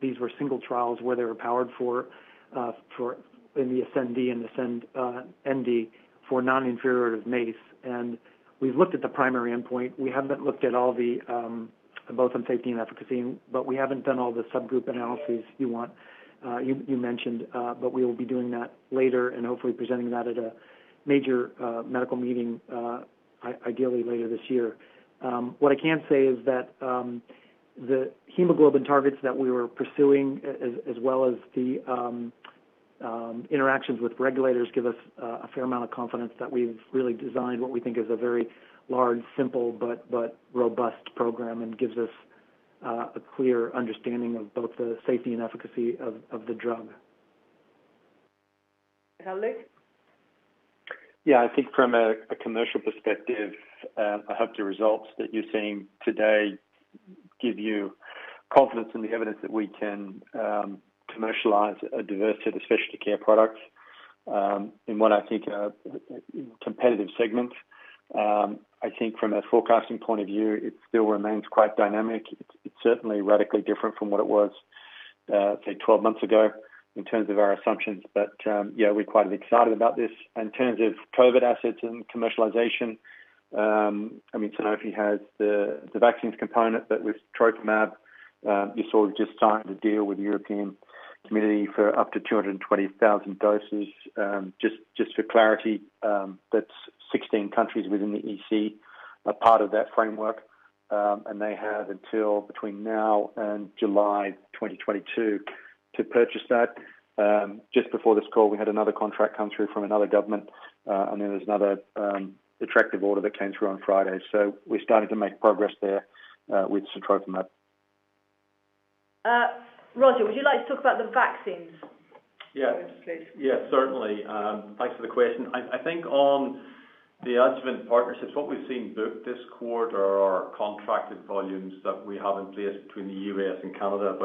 these were single trials where they were powered for in the ASCEND-D and ASCEND-ND for non-inferiority of MACE. We've looked at the primary endpoint. We haven't looked at all the both on safety and efficacy, we haven't done all the subgroup analyses you mentioned. We will be doing that later and hopefully presenting that at a major medical meeting, ideally later this year. What I can say is that the hemoglobin targets that we were pursuing, as well as the interactions with regulators, give us a fair amount of confidence that we've really designed what we think is a very large, simple, but robust program and gives us a clear understanding of both the safety and efficacy of the drug. Luke? I think from a commercial perspective, I hope the results that you're seeing today give you confidence in the evidence that we can commercialize a diversity of the specialty care products in what I think are competitive segments. I think from a forecasting point of view, it still remains quite dynamic. It's certainly radically different from what it was, say, 12 months ago in terms of our assumptions. We're quite excited about this. In terms of COVID assets and commercialization, Sanofi has the vaccines component, but with Sotrovimab, you saw we've just signed a deal with the European Commission for up to 220,000 doses. Just for clarity, that's 16 countries within the EC are part of that framework, and they have until between now and July 2022 to purchase that. Just before this call, we had another contract come through from another government, and then there's another attractive order that came through on Friday. We're starting to make progress there with Sotrovimab. Roger, would you like to talk about the vaccines? Yeah. Please. Certainly. Thanks for the question. I think on the adjuvant partnerships, what we've seen book this quarter are contracted volumes that we have in place between the U.S. and Canada,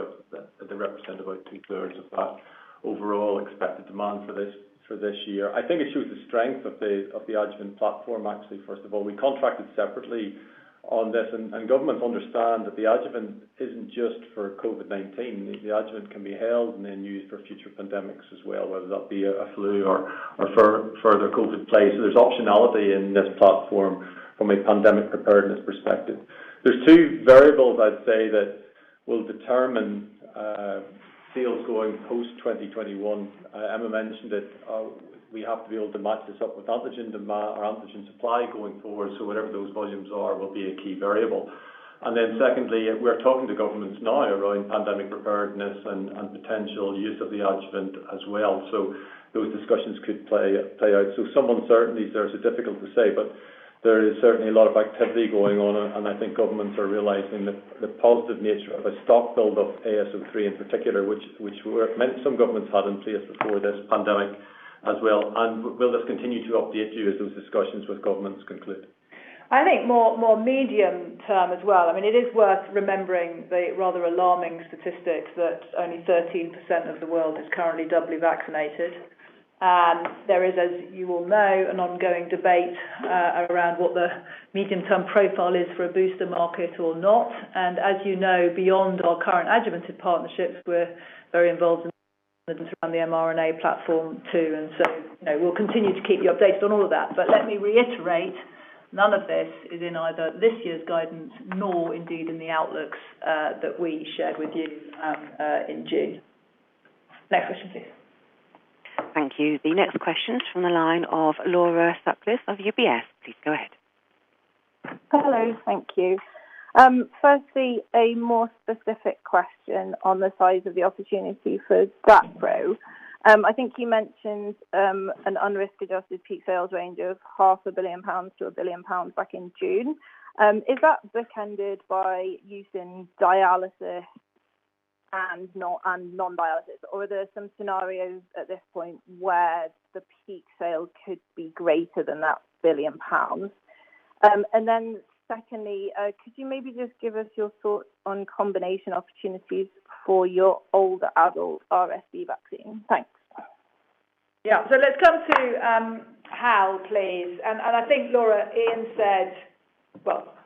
they represent about two-thirds of that overall expected demand for this year. I think it shows the strength of the adjuvant platform, actually, first of all. We contracted separately on this, and governments understand that the adjuvant isn't just for COVID-19. The adjuvant can be held and then used for future pandemics as well, whether that be a flu or further COVID plays. There's optionality in this platform from a pandemic preparedness perspective. There's two variables I'd say that will determine sales going post-2021. Emma mentioned it. We have to be able to match this up with antigen supply going forward, so whatever those volumes are will be a key variable. Secondly, we're talking to governments now around pandemic preparedness and potential use of the adjuvant as well. Those discussions could play out. Some uncertainties there, so difficult to say, but there is certainly a lot of activity going on, I think governments are realizing the positive nature of a stock build-up, AS03 in particular, which some governments had in place before this pandemic as well. We'll just continue to update you as those discussions with governments conclude. I think more medium term as well. It is worth remembering the rather alarming statistics that only 13% of the world is currently doubly vaccinated. There is, as you all know, an ongoing debate around what the medium-term profile is for a booster market or not. As you know, beyond our current adjuvanted partnerships, we're very involved in around the mRNA platform, too. So, we'll continue to keep you updated on all of that. Let me reiterate, none of this is in either this year's guidance, nor indeed in the outlooks that we shared with you in June. Next question, please. Thank you. The next question is from the line of Laura Sutcliffe of UBS. Please go ahead. Hello. Thank you. Firstly, a more specific question on the size of the opportunity for daprodustat. I think you mentioned an unrisk-adjusted peak sales range of half a billion pounds to 1 billion pounds back in June. Is that bookended by use in dialysis and non-dialysis? Are there some scenarios at this point where the peak sale could be greater than that 1 billion pounds? Secondly, could you maybe just give us your thoughts on combination opportunities for your older adult RSV vaccine? Thanks. Yeah. Let's come to Hal, please. I think, Laura,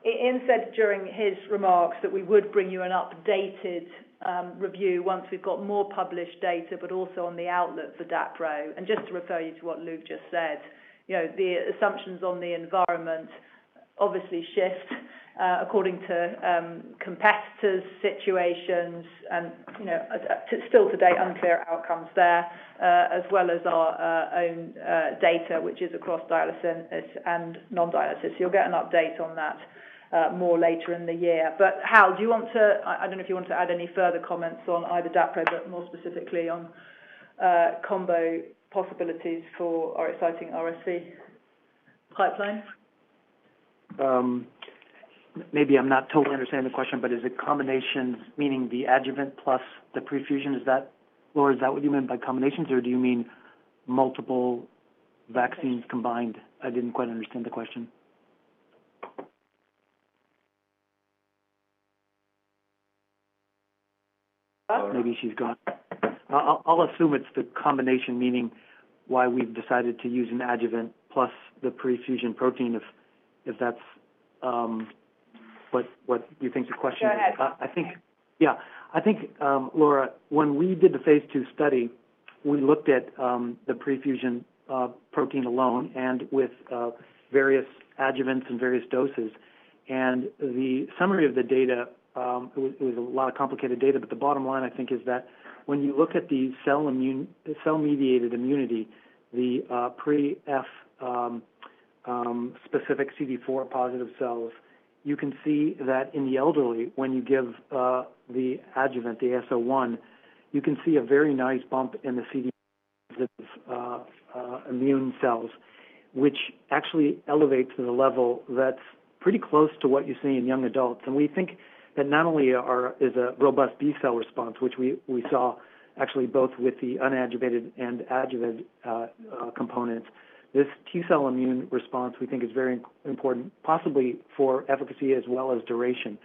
Iain said during his remarks that we would bring you an updated review once we've got more published data, but also on the outlook for daprodustat. Just to refer you to what Luke just said, the assumptions on the environment obviously shift according to competitors, situations, and still today, unclear outcomes there, as well as our own data, which is across dialysis and non-dialysis. You'll get an update on that more later in the year. Hal, I don't know if you want to add any further comments on either daprodustat, but more specifically on combo possibilities for our exciting RSV pipeline. Maybe I'm not totally understanding the question, but is it combinations meaning the adjuvant plus the pre-fusion? Laura, is that what you meant by combinations, or do you mean multiple vaccines combined? I didn't quite understand the question. Maybe she's gone. I'll assume it's the combination, meaning why we've decided to use an adjuvant plus the pre-fusion protein if that's what you think the question is. Go ahead. I think, Laura, when we did the phase II study, we looked at the pre-fusion protein alone and with various adjuvants and various doses. The summary of the data, it was a lot of complicated data. The bottom line, I think, is that when you look at the cell-mediated immunity, the pre-F specific CD4 positive cells, you can see that in the elderly, when you give the adjuvant, the AS01, you can see a very nice bump in the CD positive immune cells, which actually elevates to the level that's pretty close to what you see in young adults. We think that not only is a robust B cell response, which we saw actually both with the unadjuvanted and adjuvanted components. This T cell immune response we think is very important, possibly for efficacy as well as duration.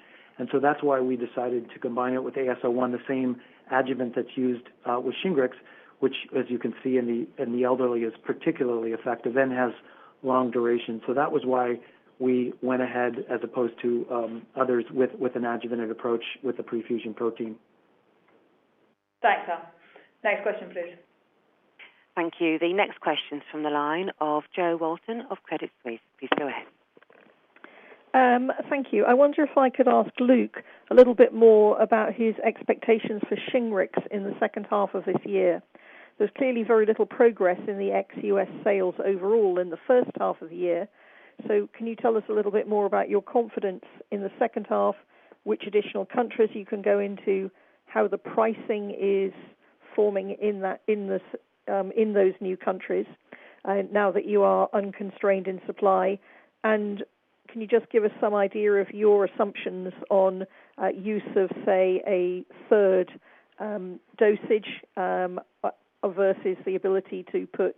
That's why we decided to combine it with AS01, the same adjuvant that's used with SHINGRIX, which as you can see in the elderly, is particularly effective and has long duration. That was why we went ahead as opposed to others with an adjuvanted approach with the pre-fusion protein. Thanks, Hal. Next question, please. Thank you. The next question is from the line of Jo Walton of Credit Suisse. Please go ahead. Thank you. I wonder if I could ask Luke a little bit more about his expectations for SHINGRIX in the second half of this year. There is clearly very little progress in the ex-U.S. sales overall in the first half of the year. Can you tell us a little bit more about your confidence in the second half, which additional countries you can go into, how the pricing is forming in those new countries now that you are unconstrained in supply? Can you just give us some idea of your assumptions on use of, say, a third dosage versus the ability to put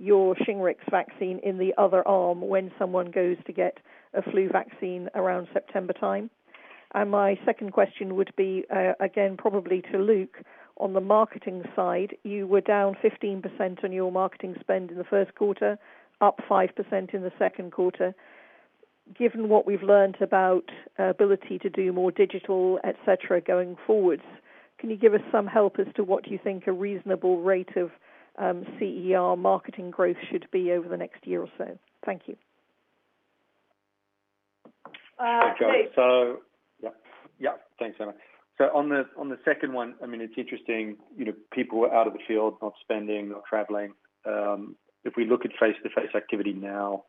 your SHINGRIX vaccine in the other arm when someone goes to get a flu vaccine around September time? My second question would be, again, probably to Luke. On the marketing side, you were down 15% on your marketing spend in the first quarter, up 5% in the second quarter. Given what we've learned about ability to do more digital, et cetera, going forwards, can you give us some help as to what you think a reasonable rate of CER marketing growth should be over the next year or so? Thank you. Luke. Yeah, thanks, Emma. On the second one, it's interesting, people were out of the field, not spending, not traveling. If we look at face-to-face activity now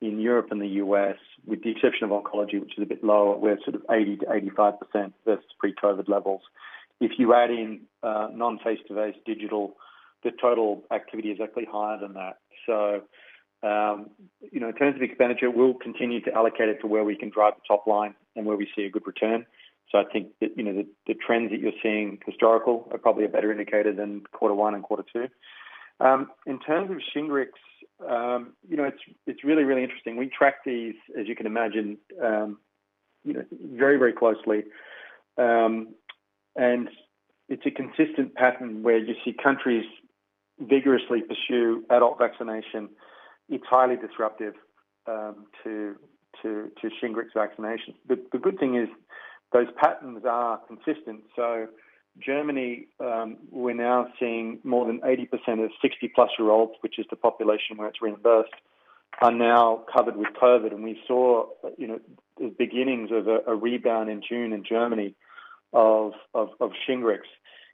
in Europe and the U.S., with the exception of oncology, which is a bit lower, we're sort of 80%-85% versus pre-COVID levels. If you add in non-face-to-face digital, the total activity is actually higher than that. In terms of expenditure, we'll continue to allocate it to where we can drive the top line and where we see a good return. I think that the trends that you're seeing historical are probably a better indicator than Q1 and Q2. In terms of SHINGRIX, it's really interesting. We track these, as you can imagine, very closely. It's a consistent pattern where you see countries vigorously pursue adult vaccination. It's highly disruptive to SHINGRIX vaccinations. The good thing is those patterns are consistent. Germany, we're now seeing more than 80% of 60+ year-olds, which is the population where it's reimbursed, are now covered with COVID. We saw the beginnings of a rebound in June in Germany of SHINGRIX.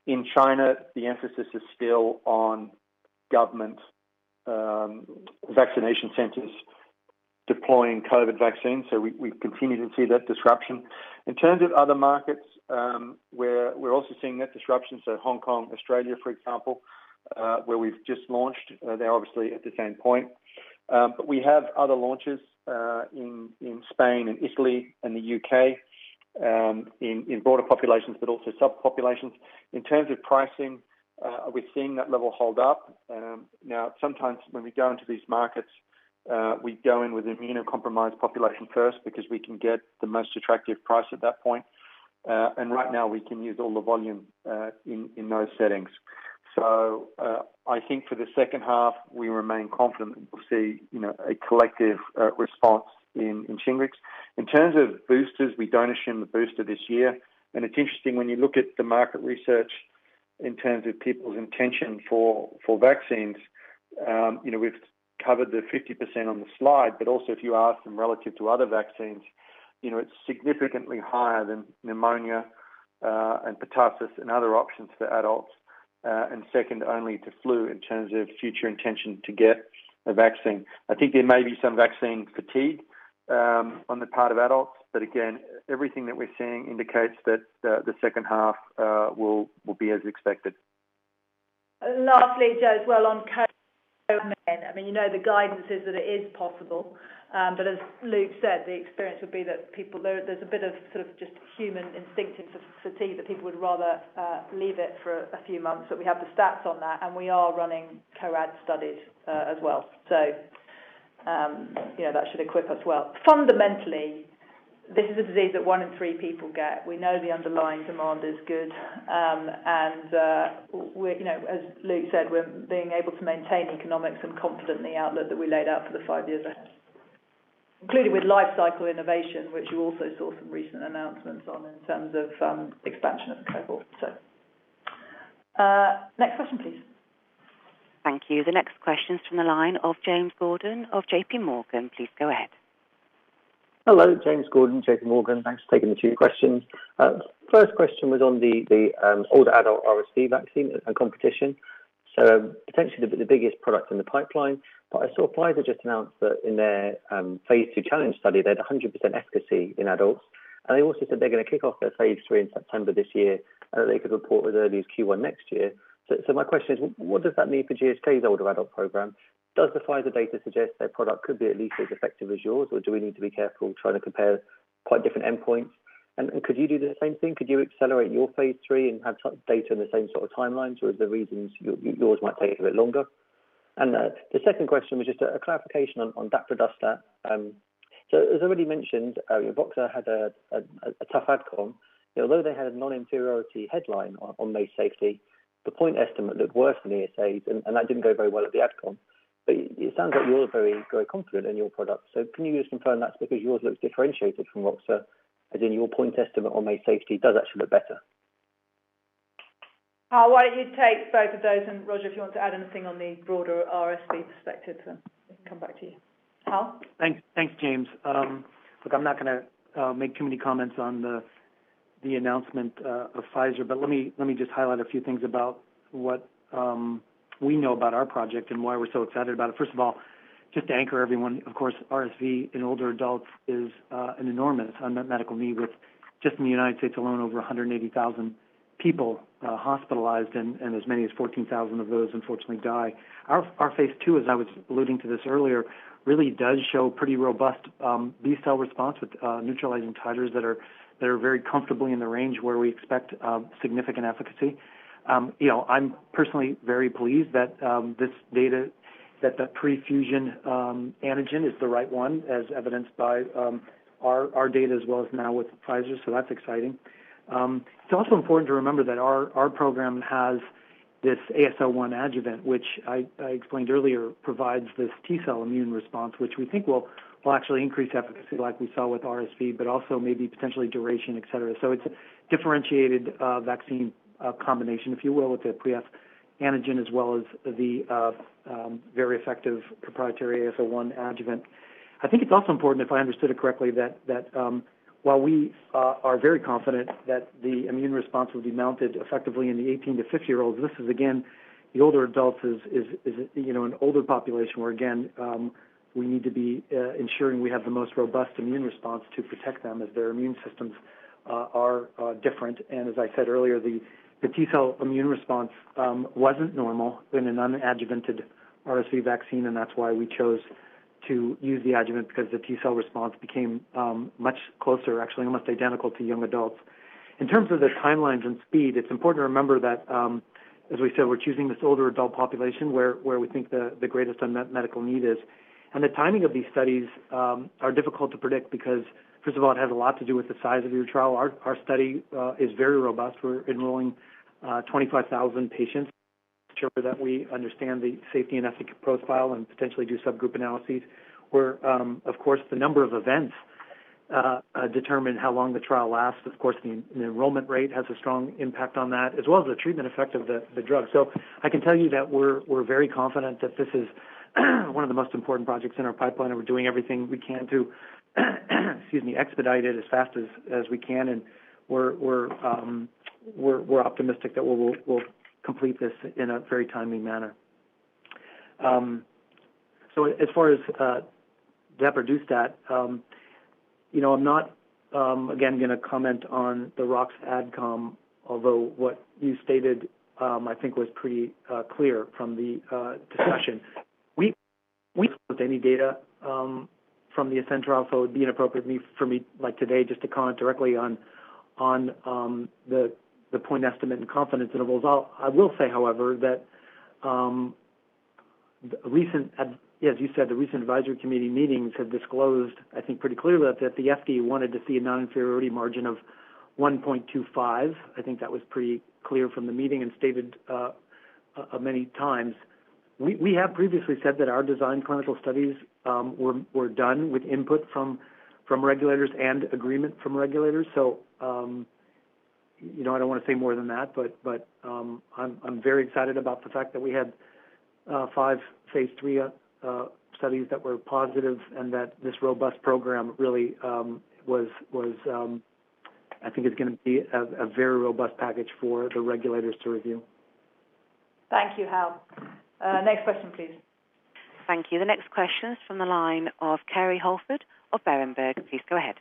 In China, the emphasis is still on government vaccination centers deploying COVID vaccines. We continue to see that disruption. In terms of other markets, we're also seeing that disruption. Hong Kong, Australia, for example, where we've just launched. They're obviously at the same point. We have other launches in Spain and Italy and the U.K., in broader populations, but also subpopulations. In terms of pricing, are we seeing that level hold up? Now, sometimes when we go into these markets, we go in with immunocompromised population first, because we can get the most attractive price at that point. Right now, we can use all the volume in those settings. I think for the second half, we remain confident that we'll see a collective response in SHINGRIX. In terms of boosters, we don't assume the booster this year. It's interesting when you look at the market research in terms of people's intention for vaccines. We've covered the 50% on the slide, but also if you ask them relative to other vaccines, it's significantly higher than pneumonia and pertussis and other options for adults, and second only to flu in terms of future intention to get a vaccine. I think there may be some vaccine fatigue on the part of adults, but again, everything that we're seeing indicates that the second half will be as expected. Lastly, Jo, as well on co-admin. You know the guidance is that it is possible. As Luke said, the experience would be that there's a bit of sort of just human instinctive fatigue, that people would rather leave it for a few months. We have the stats on that, and we are running co-ad studies as well. That should equip us well. Fundamentally, this is a disease that one in three people get. We know the underlying demand is good. As Luke said, we're being able to maintain economics and confident in the outlook that we laid out for the five years ahead, including with lifecycle innovation, which you also saw some recent announcements on in terms of expansion at the level. Next question, please. Thank you. The next question's from the line of James Gordon of JPMorgan. Please go ahead. Hello. James Gordon, JPMorgan. Thanks for taking the two questions. First question was on the older adult RSV vaccine and competition. Potentially, the biggest product in the pipeline. I saw Pfizer just announced that in their phase II challenge study, they had 100% efficacy in adults. They also said they're going to kick off their phase III in September this year, and that they could report as early as Q1 next year. My question is, what does that mean for GSK's older adult program? Does the Pfizer data suggest their product could be at least as effective as yours, or do we need to be careful trying to compare quite different endpoints? Could you do the same thing? Could you accelerate your phase III and have data in the same sort of timelines, or are there reasons yours might take a bit longer? The second question was just a clarification on daprodustat. As I already mentioned, roxa had a tough ADCOM. Although they had a non-inferiority headline on MACE safety, the point estimate looked worse than the ESAs, and that didn't go very well at the ADCOM. It sounds like you're very confident in your product. Can you just confirm that's because yours looks differentiated from roxa, as in your point estimate on MACE safety does actually look better? Hal, why don't you take both of those, and Roger, if you want to add anything on the broader RSV perspective, then we can come back to you. Hal? Thanks, James. I'm not going to make too many comments on the announcement of Pfizer, let me just highlight a few things about what we know about our project and why we're so excited about it. To anchor everyone, of course, RSV in older adults is an enormous unmet medical need with just in the U.S. alone, over 180,000 people hospitalized and as many as 14,000 of those unfortunately die. Our phase II, as I was alluding to this earlier, really does show pretty robust B-cell response with neutralizing titers that are very comfortably in the range where we expect significant efficacy. I'm personally very pleased that the pre-fusion antigen is the right one, as evidenced by our data as well as now with Pfizer, that's exciting. It's also important to remember that our program has this AS01 adjuvant, which I explained earlier, provides this T-cell immune response, which we think will actually increase efficacy like we saw with RSV, but also maybe potentially duration, et cetera. It's a differentiated vaccine combination, if you will, with the pre-F antigen, as well as the very effective proprietary AS01 adjuvant. I think it's also important, if I understood it correctly, that while we are very confident that the immune response will be mounted effectively in the 18-50 year-olds, this is again, the older adults is an older population where again, we need to be ensuring we have the most robust immune response to protect them as their immune systems are different. As I said earlier, the T-cell immune response wasn't normal in a non-adjuvanted RSV vaccine, and that's why we chose to use the adjuvant because the T-cell response became much closer, actually almost identical to young adults. In terms of the timelines and speed, it's important to remember that, as we said, we're choosing this older adult population where we think the greatest unmet medical need is. The timing of these studies are difficult to predict because first of all, it has a lot to do with the size of your trial. Our study is very robust. We're enrolling 25,000 patients to ensure that we understand the safety and efficacy profile and potentially do subgroup analyses, where, of course, the number of events determine how long the trial lasts. Of course, the enrollment rate has a strong impact on that, as well as the treatment effect of the drug. I can tell you that we're very confident that this is one of the most important projects in our pipeline, and we're doing everything we can to excuse me, expedite it as fast as we can. We're optimistic that we'll complete this in a very timely manner. As far as daprodustat, I'm not again, going to comment on the roxadustat ADCOM, although what you stated I think was pretty clear from the discussion. We don't have any data from the ASCEND trial, so it would be inappropriate for me today just to comment directly on the point estimate and confidence intervals. I will say, however, that as you said, the recent advisory committee meetings have disclosed, I think, pretty clearly that the FDA wanted to see a non-inferiority margin of 1.25. I think that was pretty clear from the meeting and stated many times. We have previously said that our design clinical studies were done with input from regulators and agreement from regulators. I don't want to say more than that, but I'm very excited about the fact that we had five phase III studies that were positive and that this robust program really was, I think is going to be a very robust package for the regulators to review. Thank you, Hal. Next question, please. Thank you. The next question is from the line of Kerry Holford of Berenberg. Please go ahead.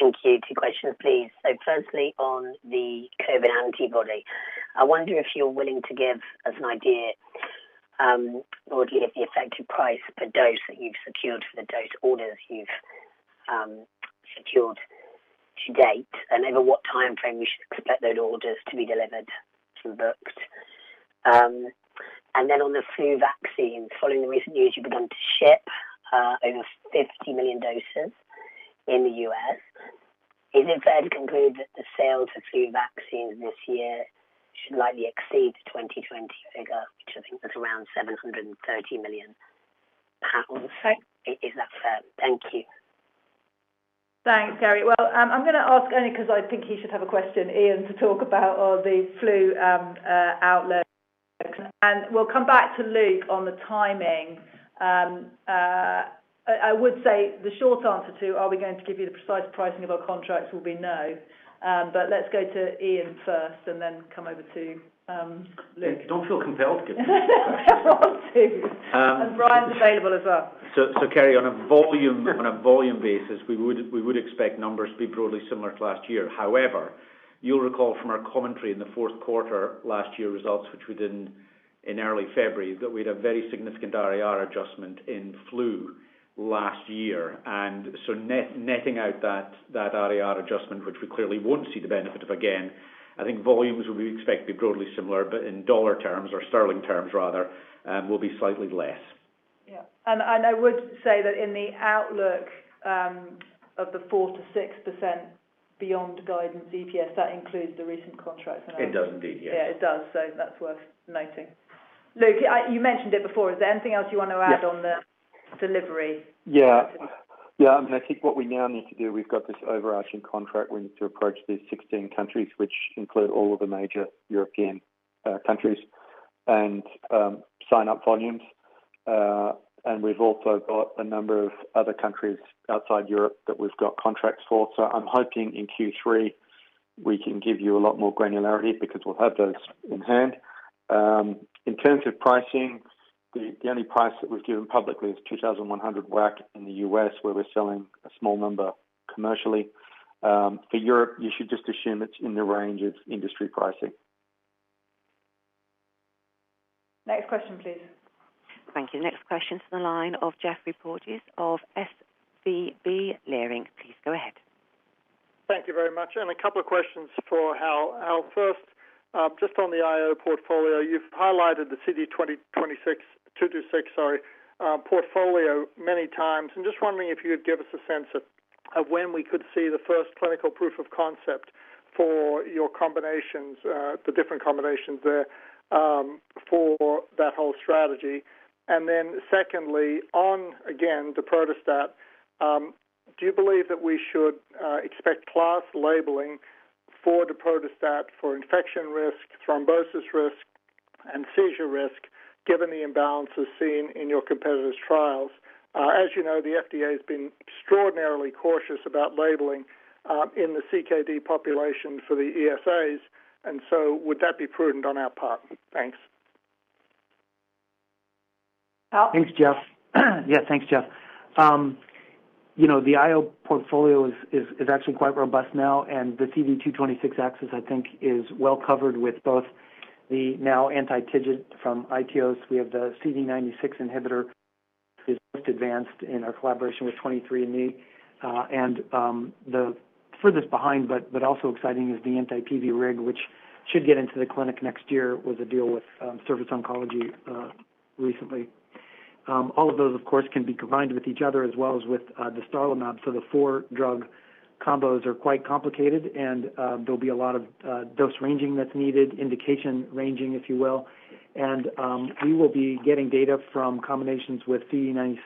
Thank you. Two questions, please. Firstly, on the COVID antibody, I wonder if you're willing to give us an idea or give the effective price per dose that you've secured for the dose orders you've secured to date, and over what timeframe you should expect those orders to be delivered and booked. On the flu vaccine, following the recent news you've begun to ship over 50 million doses in the U.S., is it fair to conclude that the sales of flu vaccines this year should likely exceed 2020 figure, which I think was around 730 million pounds? Is that fair? Thank you. Thanks, Kerry. I'm going to ask only because I think you should have a question, Iain, to talk about the flu outlook. We'll come back to Luke on the timing. I would say the short answer to are we going to give you the precise pricing of our contracts will be no. Let's go to Iain first and then come over to Luke. Don't feel compelled to give the precise pricing. I want to. Brian's available as well. Kerry, on a volume basis, we would expect numbers to be broadly similar to last year. However, you'll recall from our commentary in the fourth quarter last year results, which we did in early February, that we had a very significant RRR adjustment in flu last year. Netting out that RRR adjustment, which we clearly won't see the benefit of again, I think volumes will be expected to be broadly similar, but in dollar terms or sterling terms rather, will be slightly less. Yeah. I would say that in the outlook of the 4%-6% beyond guidance EPS, that includes the recent contracts announced. It does indeed, yes. Yeah, it does. That's worth noting. Luke, you mentioned it before, is there anything else you want to add? Yes. On the delivery? Yeah. I think what we now need to do, we've got this overarching contract. We need to approach these 16 countries, which include all of the major European countries, and sign up volumes. We've also got a number of other countries outside Europe that we've got contracts for. I'm hoping in Q3 we can give you a lot more granularity because we'll have those in hand. In terms of pricing, the only price that we've given publicly is $2,100 WAC in the U.S. where we're selling a small number commercially. For Europe, you should just assume it's in the range of industry pricing. Next question, please. Thank you. Next question to the line of Geoffrey Porges of SVB Leerink. Please go ahead. Thank you very much. A couple of questions for Hal. First, just on the IO portfolio, you've highlighted the CD226 portfolio many times, just wondering if you could give us a sense of when we could see the first clinical proof of concept for the different combinations there for that whole strategy. Secondly, on, again, daprodustat, do you believe that we should expect class labeling for daprodustat for infection risk, thrombosis risk, and seizure risk, given the imbalances seen in your competitors' trials? As you know, the FDA has been extraordinarily cautious about labeling in the CKD population for the ESAs. Would that be prudent on our part? Thanks. Hal? Thanks, Geoff. Yeah, thanks, Geoff. The IO portfolio is actually quite robust now, and the CD226 axis, I think is well covered with both the now anti-TIGIT from iTeos. We have the CD96 inhibitor, which is most advanced in our collaboration with 23andMe. The furthest behind, but also exciting is the anti-PVRig, which should get into the clinic next year with a deal with Surface Oncology recently. All of those, of course, can be combined with each other as well as with dostarlimab. The four-drug combos are quite complicated, and there'll be a lot of dose ranging that's needed, indication ranging, if you will. We will be getting data from combinations with CD96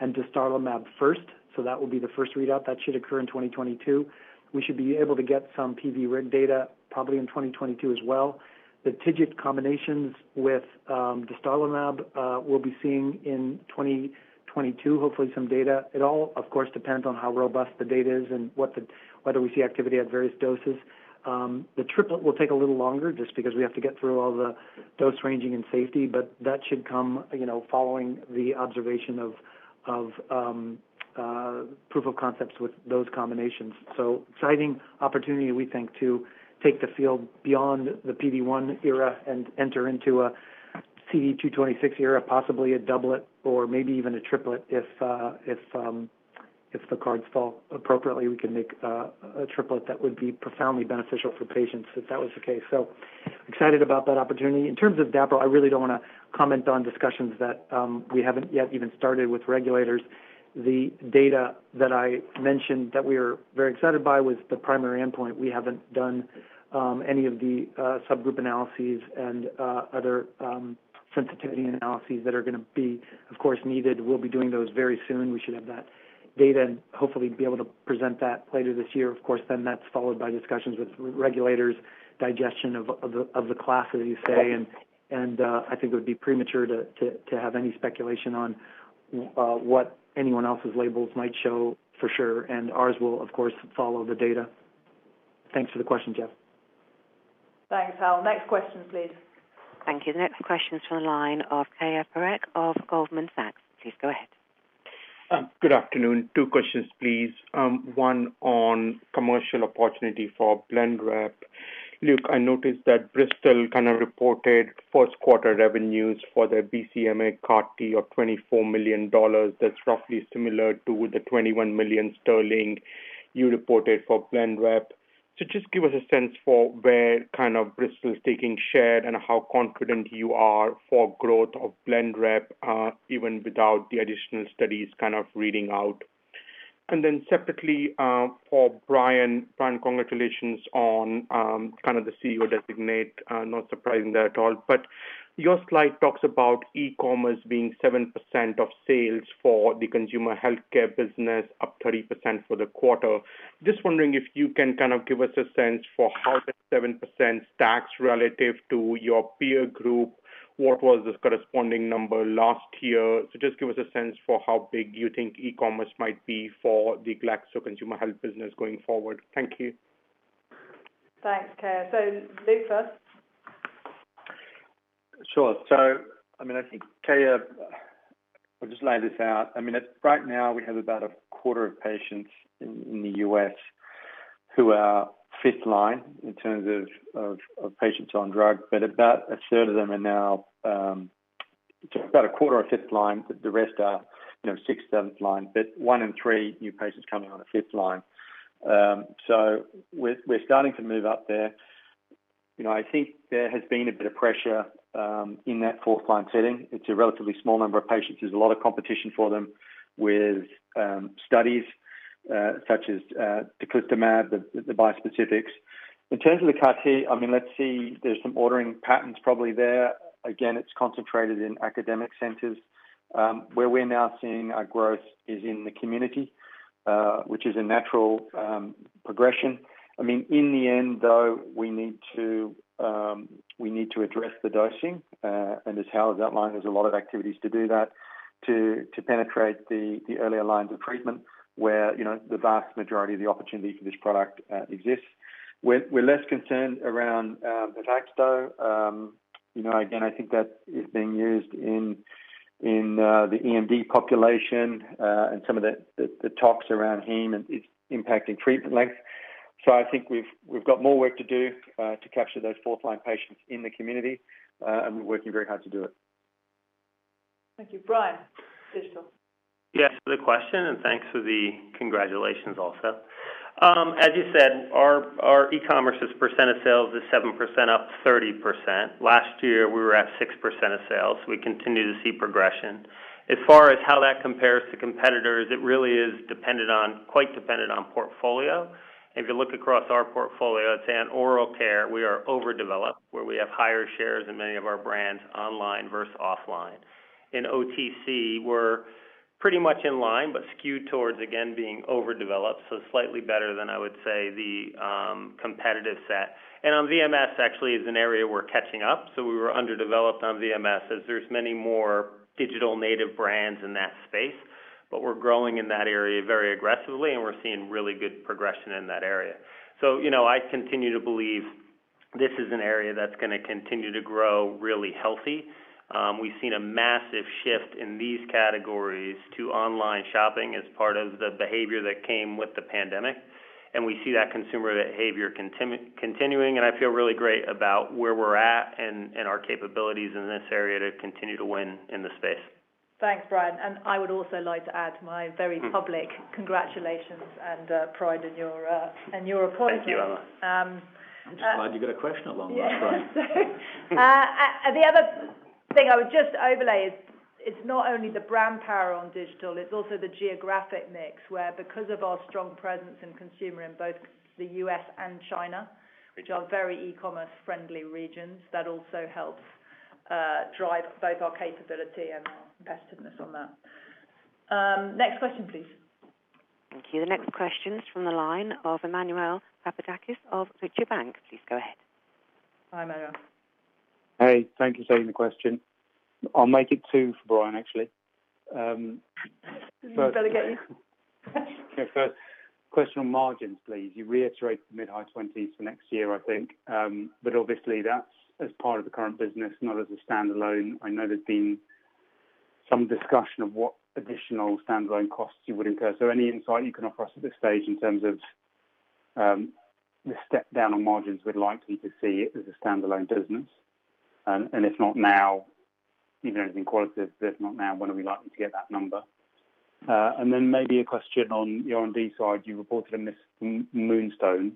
and dostarlimab first. That will be the first readout. That should occur in 2022. We should be able to get some PVRig data probably in 2022 as well. The TIGIT combinations with dostarlimab, we'll be seeing in 2022, hopefully, some data. It all, of course, depends on how robust the data is and whether we see activity at various doses. The triplet will take a little longer just because we have to get through all the dose ranging and safety, but that should come following the observation of proof of concepts with those combinations. Exciting opportunity, we think, to take the field beyond the PD-1 era and enter into a CD226 era, possibly a doublet or maybe even a triplet. If the cards fall appropriately, we can make a triplet that would be profoundly beneficial for patients if that was the case. Excited about that opportunity. In terms of daprodustat, I really don't want to comment on discussions that we haven't yet even started with regulators. The data that I mentioned that we are very excited by was the primary endpoint. We haven't done any of the subgroup analyses and other sensitivity analyses that are going to be, of course, needed. We'll be doing those very soon. We should have that data and hopefully be able to present that later this year. Then that's followed by discussions with regulators, digestion of the class, as you say. I think it would be premature to have any speculation on what anyone else's labels might show for sure, and ours will, of course, follow the data. Thanks for the question, Geoffrey. Thanks, Hal. Next question, please. Thank you. The next question is from the line of Keyur Parekh of Goldman Sachs. Please go ahead. Good afternoon. Two questions, please. One on commercial opportunity for BLENREP. Luke, I noticed that Bristol kind of reported first quarter revenues for their BCMA CAR T of GBP 24 million. That's roughly similar to the 21 million sterling you reported for BLENREP. Just give us a sense for where Bristol's taking share and how confident you are for growth of BLENREP, even without the additional studies reading out. Separately, for Brian McNamara. Brian McNamara, congratulations on the CEO designate. Not surprising there at all. Your slide talks about e-commerce being 7% of sales for the consumer healthcare business, up 30% for the quarter. Just wondering if you can give us a sense for how the 7% stacks relative to your peer group. What was the corresponding number last year? Just give us a sense for how big you think e-commerce might be for the Glaxo Consumer Healthcare business going forward. Thank you. Thanks, Keyur. Luke first. Sure. I think, Keyur, I'll just lay this out. Right now we have about a quarter of patients in the U.S. who are fifth line in terms of patients on drug, but about a quarter are fifth line, the rest are sixth, seventh line. One in three new patients coming on are fifth line. We're starting to move up there. I think there has been a bit of pressure in that fourth-line setting. It's a relatively small number of patients. There's a lot of competition for them with studies such as teclistamab, the bispecifics. In terms of the CAR T, let's see, there's some ordering patterns probably there. Again, it's concentrated in academic centers. Where we're now seeing our growth is in the community, which is a natural progression. In the end, though, we need to address the dosing. As Hal has outlined, there's a lot of activities to do that to penetrate the earlier lines of treatment where the vast majority of the opportunity for this product exists. We're less concerned around ABECMA. Again, I think that is being used in the EMD population, and some of the talks around heme and it's impacting treatment length. I think we've got more work to do to capture those fourth-line patients in the community, and we're working very hard to do it. Thank you. Brian, digital. Yes, for the question. Thanks for the congratulations also. As you said, our e-commerce's percent of sales is 7%, up 30%. Last year, we were at 6% of sales. We continue to see progression. As far as how that compares to competitors, it really is quite dependent on portfolio. If you look across our portfolio, say in oral care, we are overdeveloped, where we have higher shares in many of our brands online versus offline. In OTC, we're pretty much in line, but skewed towards, again, being overdeveloped, so slightly better than I would say the competitive set. On VMS actually is an area we're catching up. We were underdeveloped on VMS as there's many more digital native brands in that space. We're growing in that area very aggressively, and we're seeing really good progression in that area. I continue to believe this is an area that's going to continue to grow really healthy. We've seen a massive shift in these categories to online shopping as part of the behavior that came with the pandemic, and we see that consumer behavior continuing, and I feel really great about where we're at and our capabilities in this area to continue to win in the space. Thanks, Brian. I would also like to add my very public congratulations and pride in your appointment. Thank you, Emma. I'm just glad you got a question at long last, Brian. The other thing I would just overlay is it's not only the brand power on digital, it's also the geographic mix, where because of our strong presence in consumer in both the U.S. and China, which are very e-commerce-friendly regions, that also helps drive both our capability and our competitiveness on that. Next question, please. Thank you. The next question is from the line of Emmanuel Papadakis of Deutsche Bank. Please go ahead. Hi, Emmanuel. Hey, thank you for taking the question. I'll make it two for Brian, actually. You've got to get him. First question on margins, please. You reiterate the mid-high 20s for next year, I think. Obviously that's as part of the current business, not as a standalone. I know there's been some discussion of what additional standalone costs you would incur. Any insight you can offer us at this stage in terms of the step down on margins we'd likely to see as a standalone business? If not now, even anything qualitative, if not now, when are we likely to get that number? Then maybe a question on the R&D side. You reported a miss in MOONSTONE.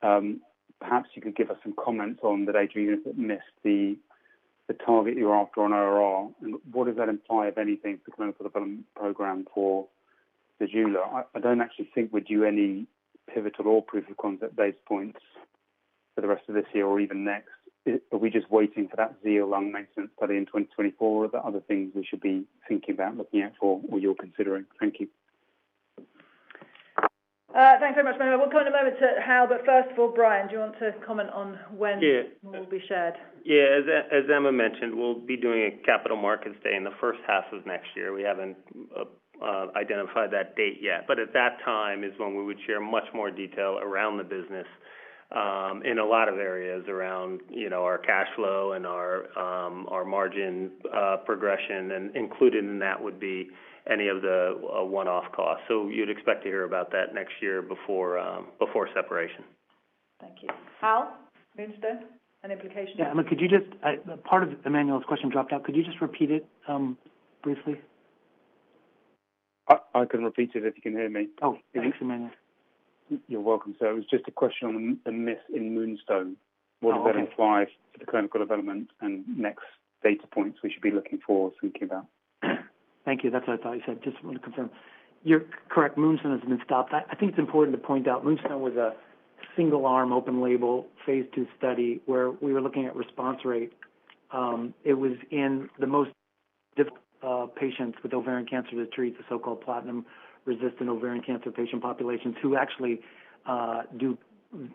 Perhaps you could give us some comments on the data unit that missed the target you were after on RR. What does that imply, if anything, for the clinical development program for? I don't actually think we're due any pivotal or proof of concept data points for the rest of this year or even next. Are we just waiting for that ZEAL lung maintenance study in 2024? Are there other things we should be thinking about looking out for or you're considering? Thank you. Thanks very much, Emmanuel. We'll come in a moment to Hal, first of all, Brian, do you want to comment on when more will be shared? Yeah. As Emma mentioned, we'll be doing a capital markets day in the first half of next year. We haven't identified that date yet. At that time is when we would share much more detail around the business in a lot of areas around our cash flow and our margin progression, and included in that would be any of the one-off costs. You'd expect to hear about that next year before separation. Thank you. Hal, MOONSTONE, an implication? Yeah. Emma, part of Emmanuel's question dropped out. Could you just repeat it briefly? I can repeat it if you can hear me. Oh, thanks, Emmanuel. You're welcome. It was just a question on the miss in MOONSTONE. Oh, okay. What does that imply for the clinical development and next data points we should be looking for or thinking about? Thank you. That's what I thought you said. Just wanted to confirm. You're correct, MOONSTONE has been stopped. I think it's important to point out MOONSTONE was a single-arm open label phase II study where we were looking at response rate. It was in the most difficult patients with ovarian cancer to treat, the so-called platinum-resistant ovarian cancer patient populations, who actually do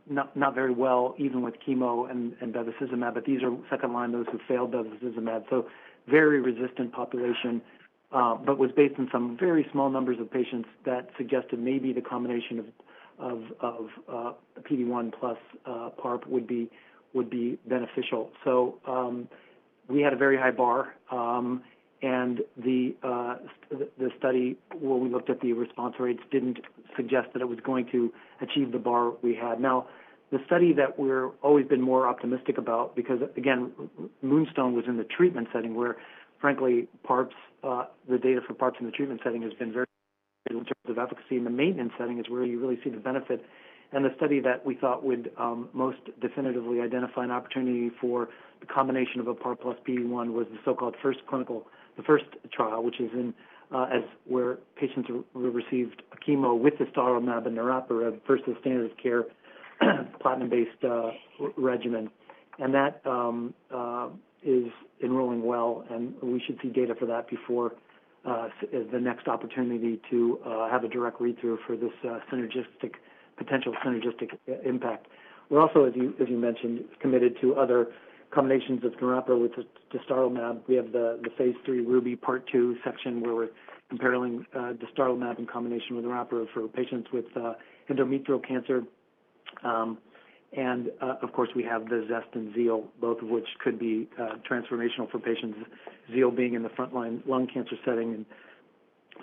not very well even with chemo and bevacizumab, but these are second line, those who failed bevacizumab. Very resistant population. Was based on some very small numbers of patients that suggested maybe the combination of PD-1 plus PARP would be beneficial. We had a very high bar, the study, when we looked at the response rates, didn't suggest that it was going to achieve the bar we had. The study that we're always been more optimistic about, because again, MOONSTONE was in the treatment setting where frankly, the data for PARPs in the treatment setting has been very. In terms of efficacy in the maintenance setting is where you really see the benefit. The study that we thought would most definitively identify an opportunity for the combination of PARP + PD-1 was the so-called FIRST trial, which is where patients received chemo with dostarlimab and niraparib versus standard of care platinum-based regimen. That is enrolling well, and we should see data for that before the next opportunity to have a direct read-through for this potential synergistic impact. We're also, as you mentioned, committed to other combinations of niraparib with dostarlimab. We have the phase III RUBY Part two section where we're comparing dostarlimab in combination with niraparib for patients with endometrial cancer. Of course, we have the ZEST and ZEAL, both of which could be transformational for patients. ZEAL being in the frontline lung cancer setting and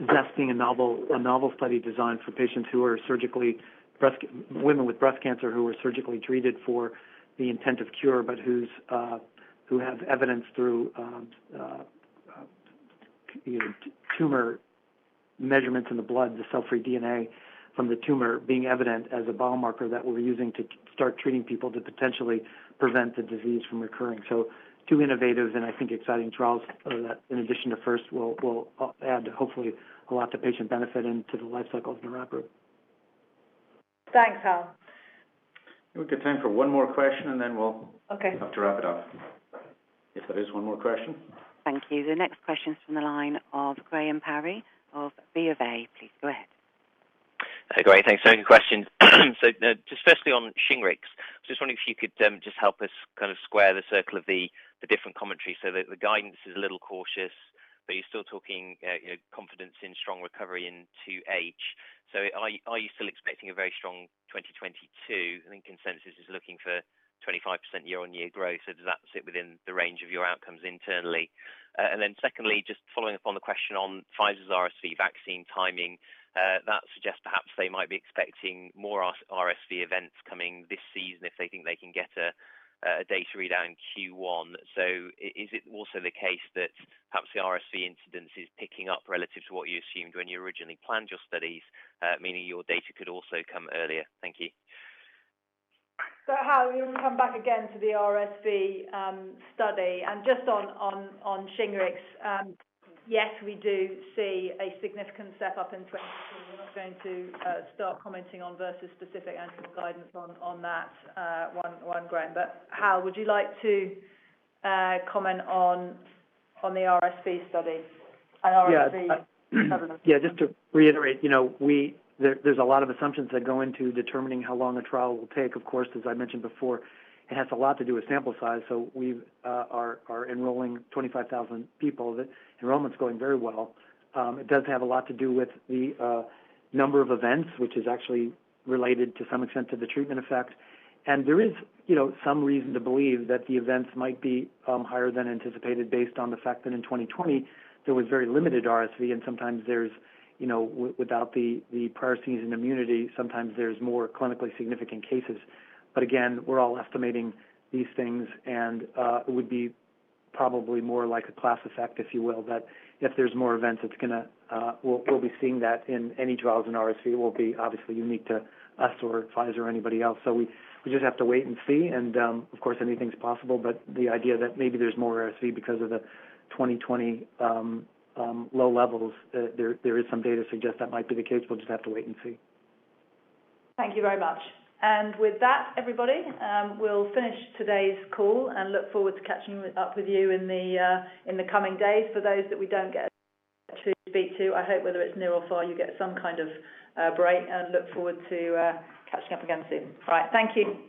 ZEST being a novel study designed for women with breast cancer who were surgically treated for the intent of cure, but who have evidence through tumor measurements in the blood, the cell-free DNA from the tumor being evident as a biomarker that we're using to start treating people to potentially prevent the disease from recurring. Two innovative, and I think exciting, trials that in addition to FIRST will add hopefully a lot to patient benefit and to the life cycle of niraparib. Thanks, Hal. We've got time for one more question. Okay. Have to wrap it up. If there is one more question. Thank you. The next question is from the line of Graham Parry of BofA. Please go ahead. Great. Thanks. Only question. Just firstly on SHINGRIX, just wondering if you could just help us square the circle of the different commentary. The guidance is a little cautious, but you're still talking confidence in strong recovery in 2H. Are you still expecting a very strong 2022? I think consensus is looking for 25% year-on-year growth. Does that sit within the range of your outcomes internally? Secondly, just following up on the question on Pfizer's RSV vaccine timing. That suggests perhaps they might be expecting more RSV events coming this season if they think they can get a data read out in Q1. Is it also the case that perhaps the RSV incidence is picking up relative to what you assumed when you originally planned your studies, meaning your data could also come earlier? Thank you. Hal, you want to come back again to the RSV study? Just on SHINGRIX, yes, we do see a significant step-up in 2022. We're not going to start commenting on versus specific analyst guidance on that one, Graham. Hal, would you like to comment on the RSV study and RSV governance? Just to reiterate, there's a lot of assumptions that go into determining how long a trial will take. Of course, as I mentioned before, it has a lot to do with sample size. We are enrolling 25,000 people. The enrollment's going very well. It does have a lot to do with the number of events, which is actually related to some extent to the treatment effect. There is some reason to believe that the events might be higher than anticipated based on the fact that in 2020, there was very limited RSV, and sometimes without the prior season immunity, sometimes there's more clinically significant cases. Again, we're all estimating these things, and it would be probably more like a class effect, if you will, that if there's more events, we'll be seeing that in any trials in RSV. It won't be obviously unique to us or Pfizer or anybody else. We just have to wait and see, and, of course, anything's possible, but the idea that maybe there's more RSV because of the 2020 low levels, there is some data to suggest that might be the case. We'll just have to wait and see. Thank you very much. With that, everybody, we'll finish today's call and look forward to catching up with you in the coming days. For those that we don't get to speak to, I hope whether it's near or far, you get some kind of a break, and look forward to catching up again soon. All right. Thank you.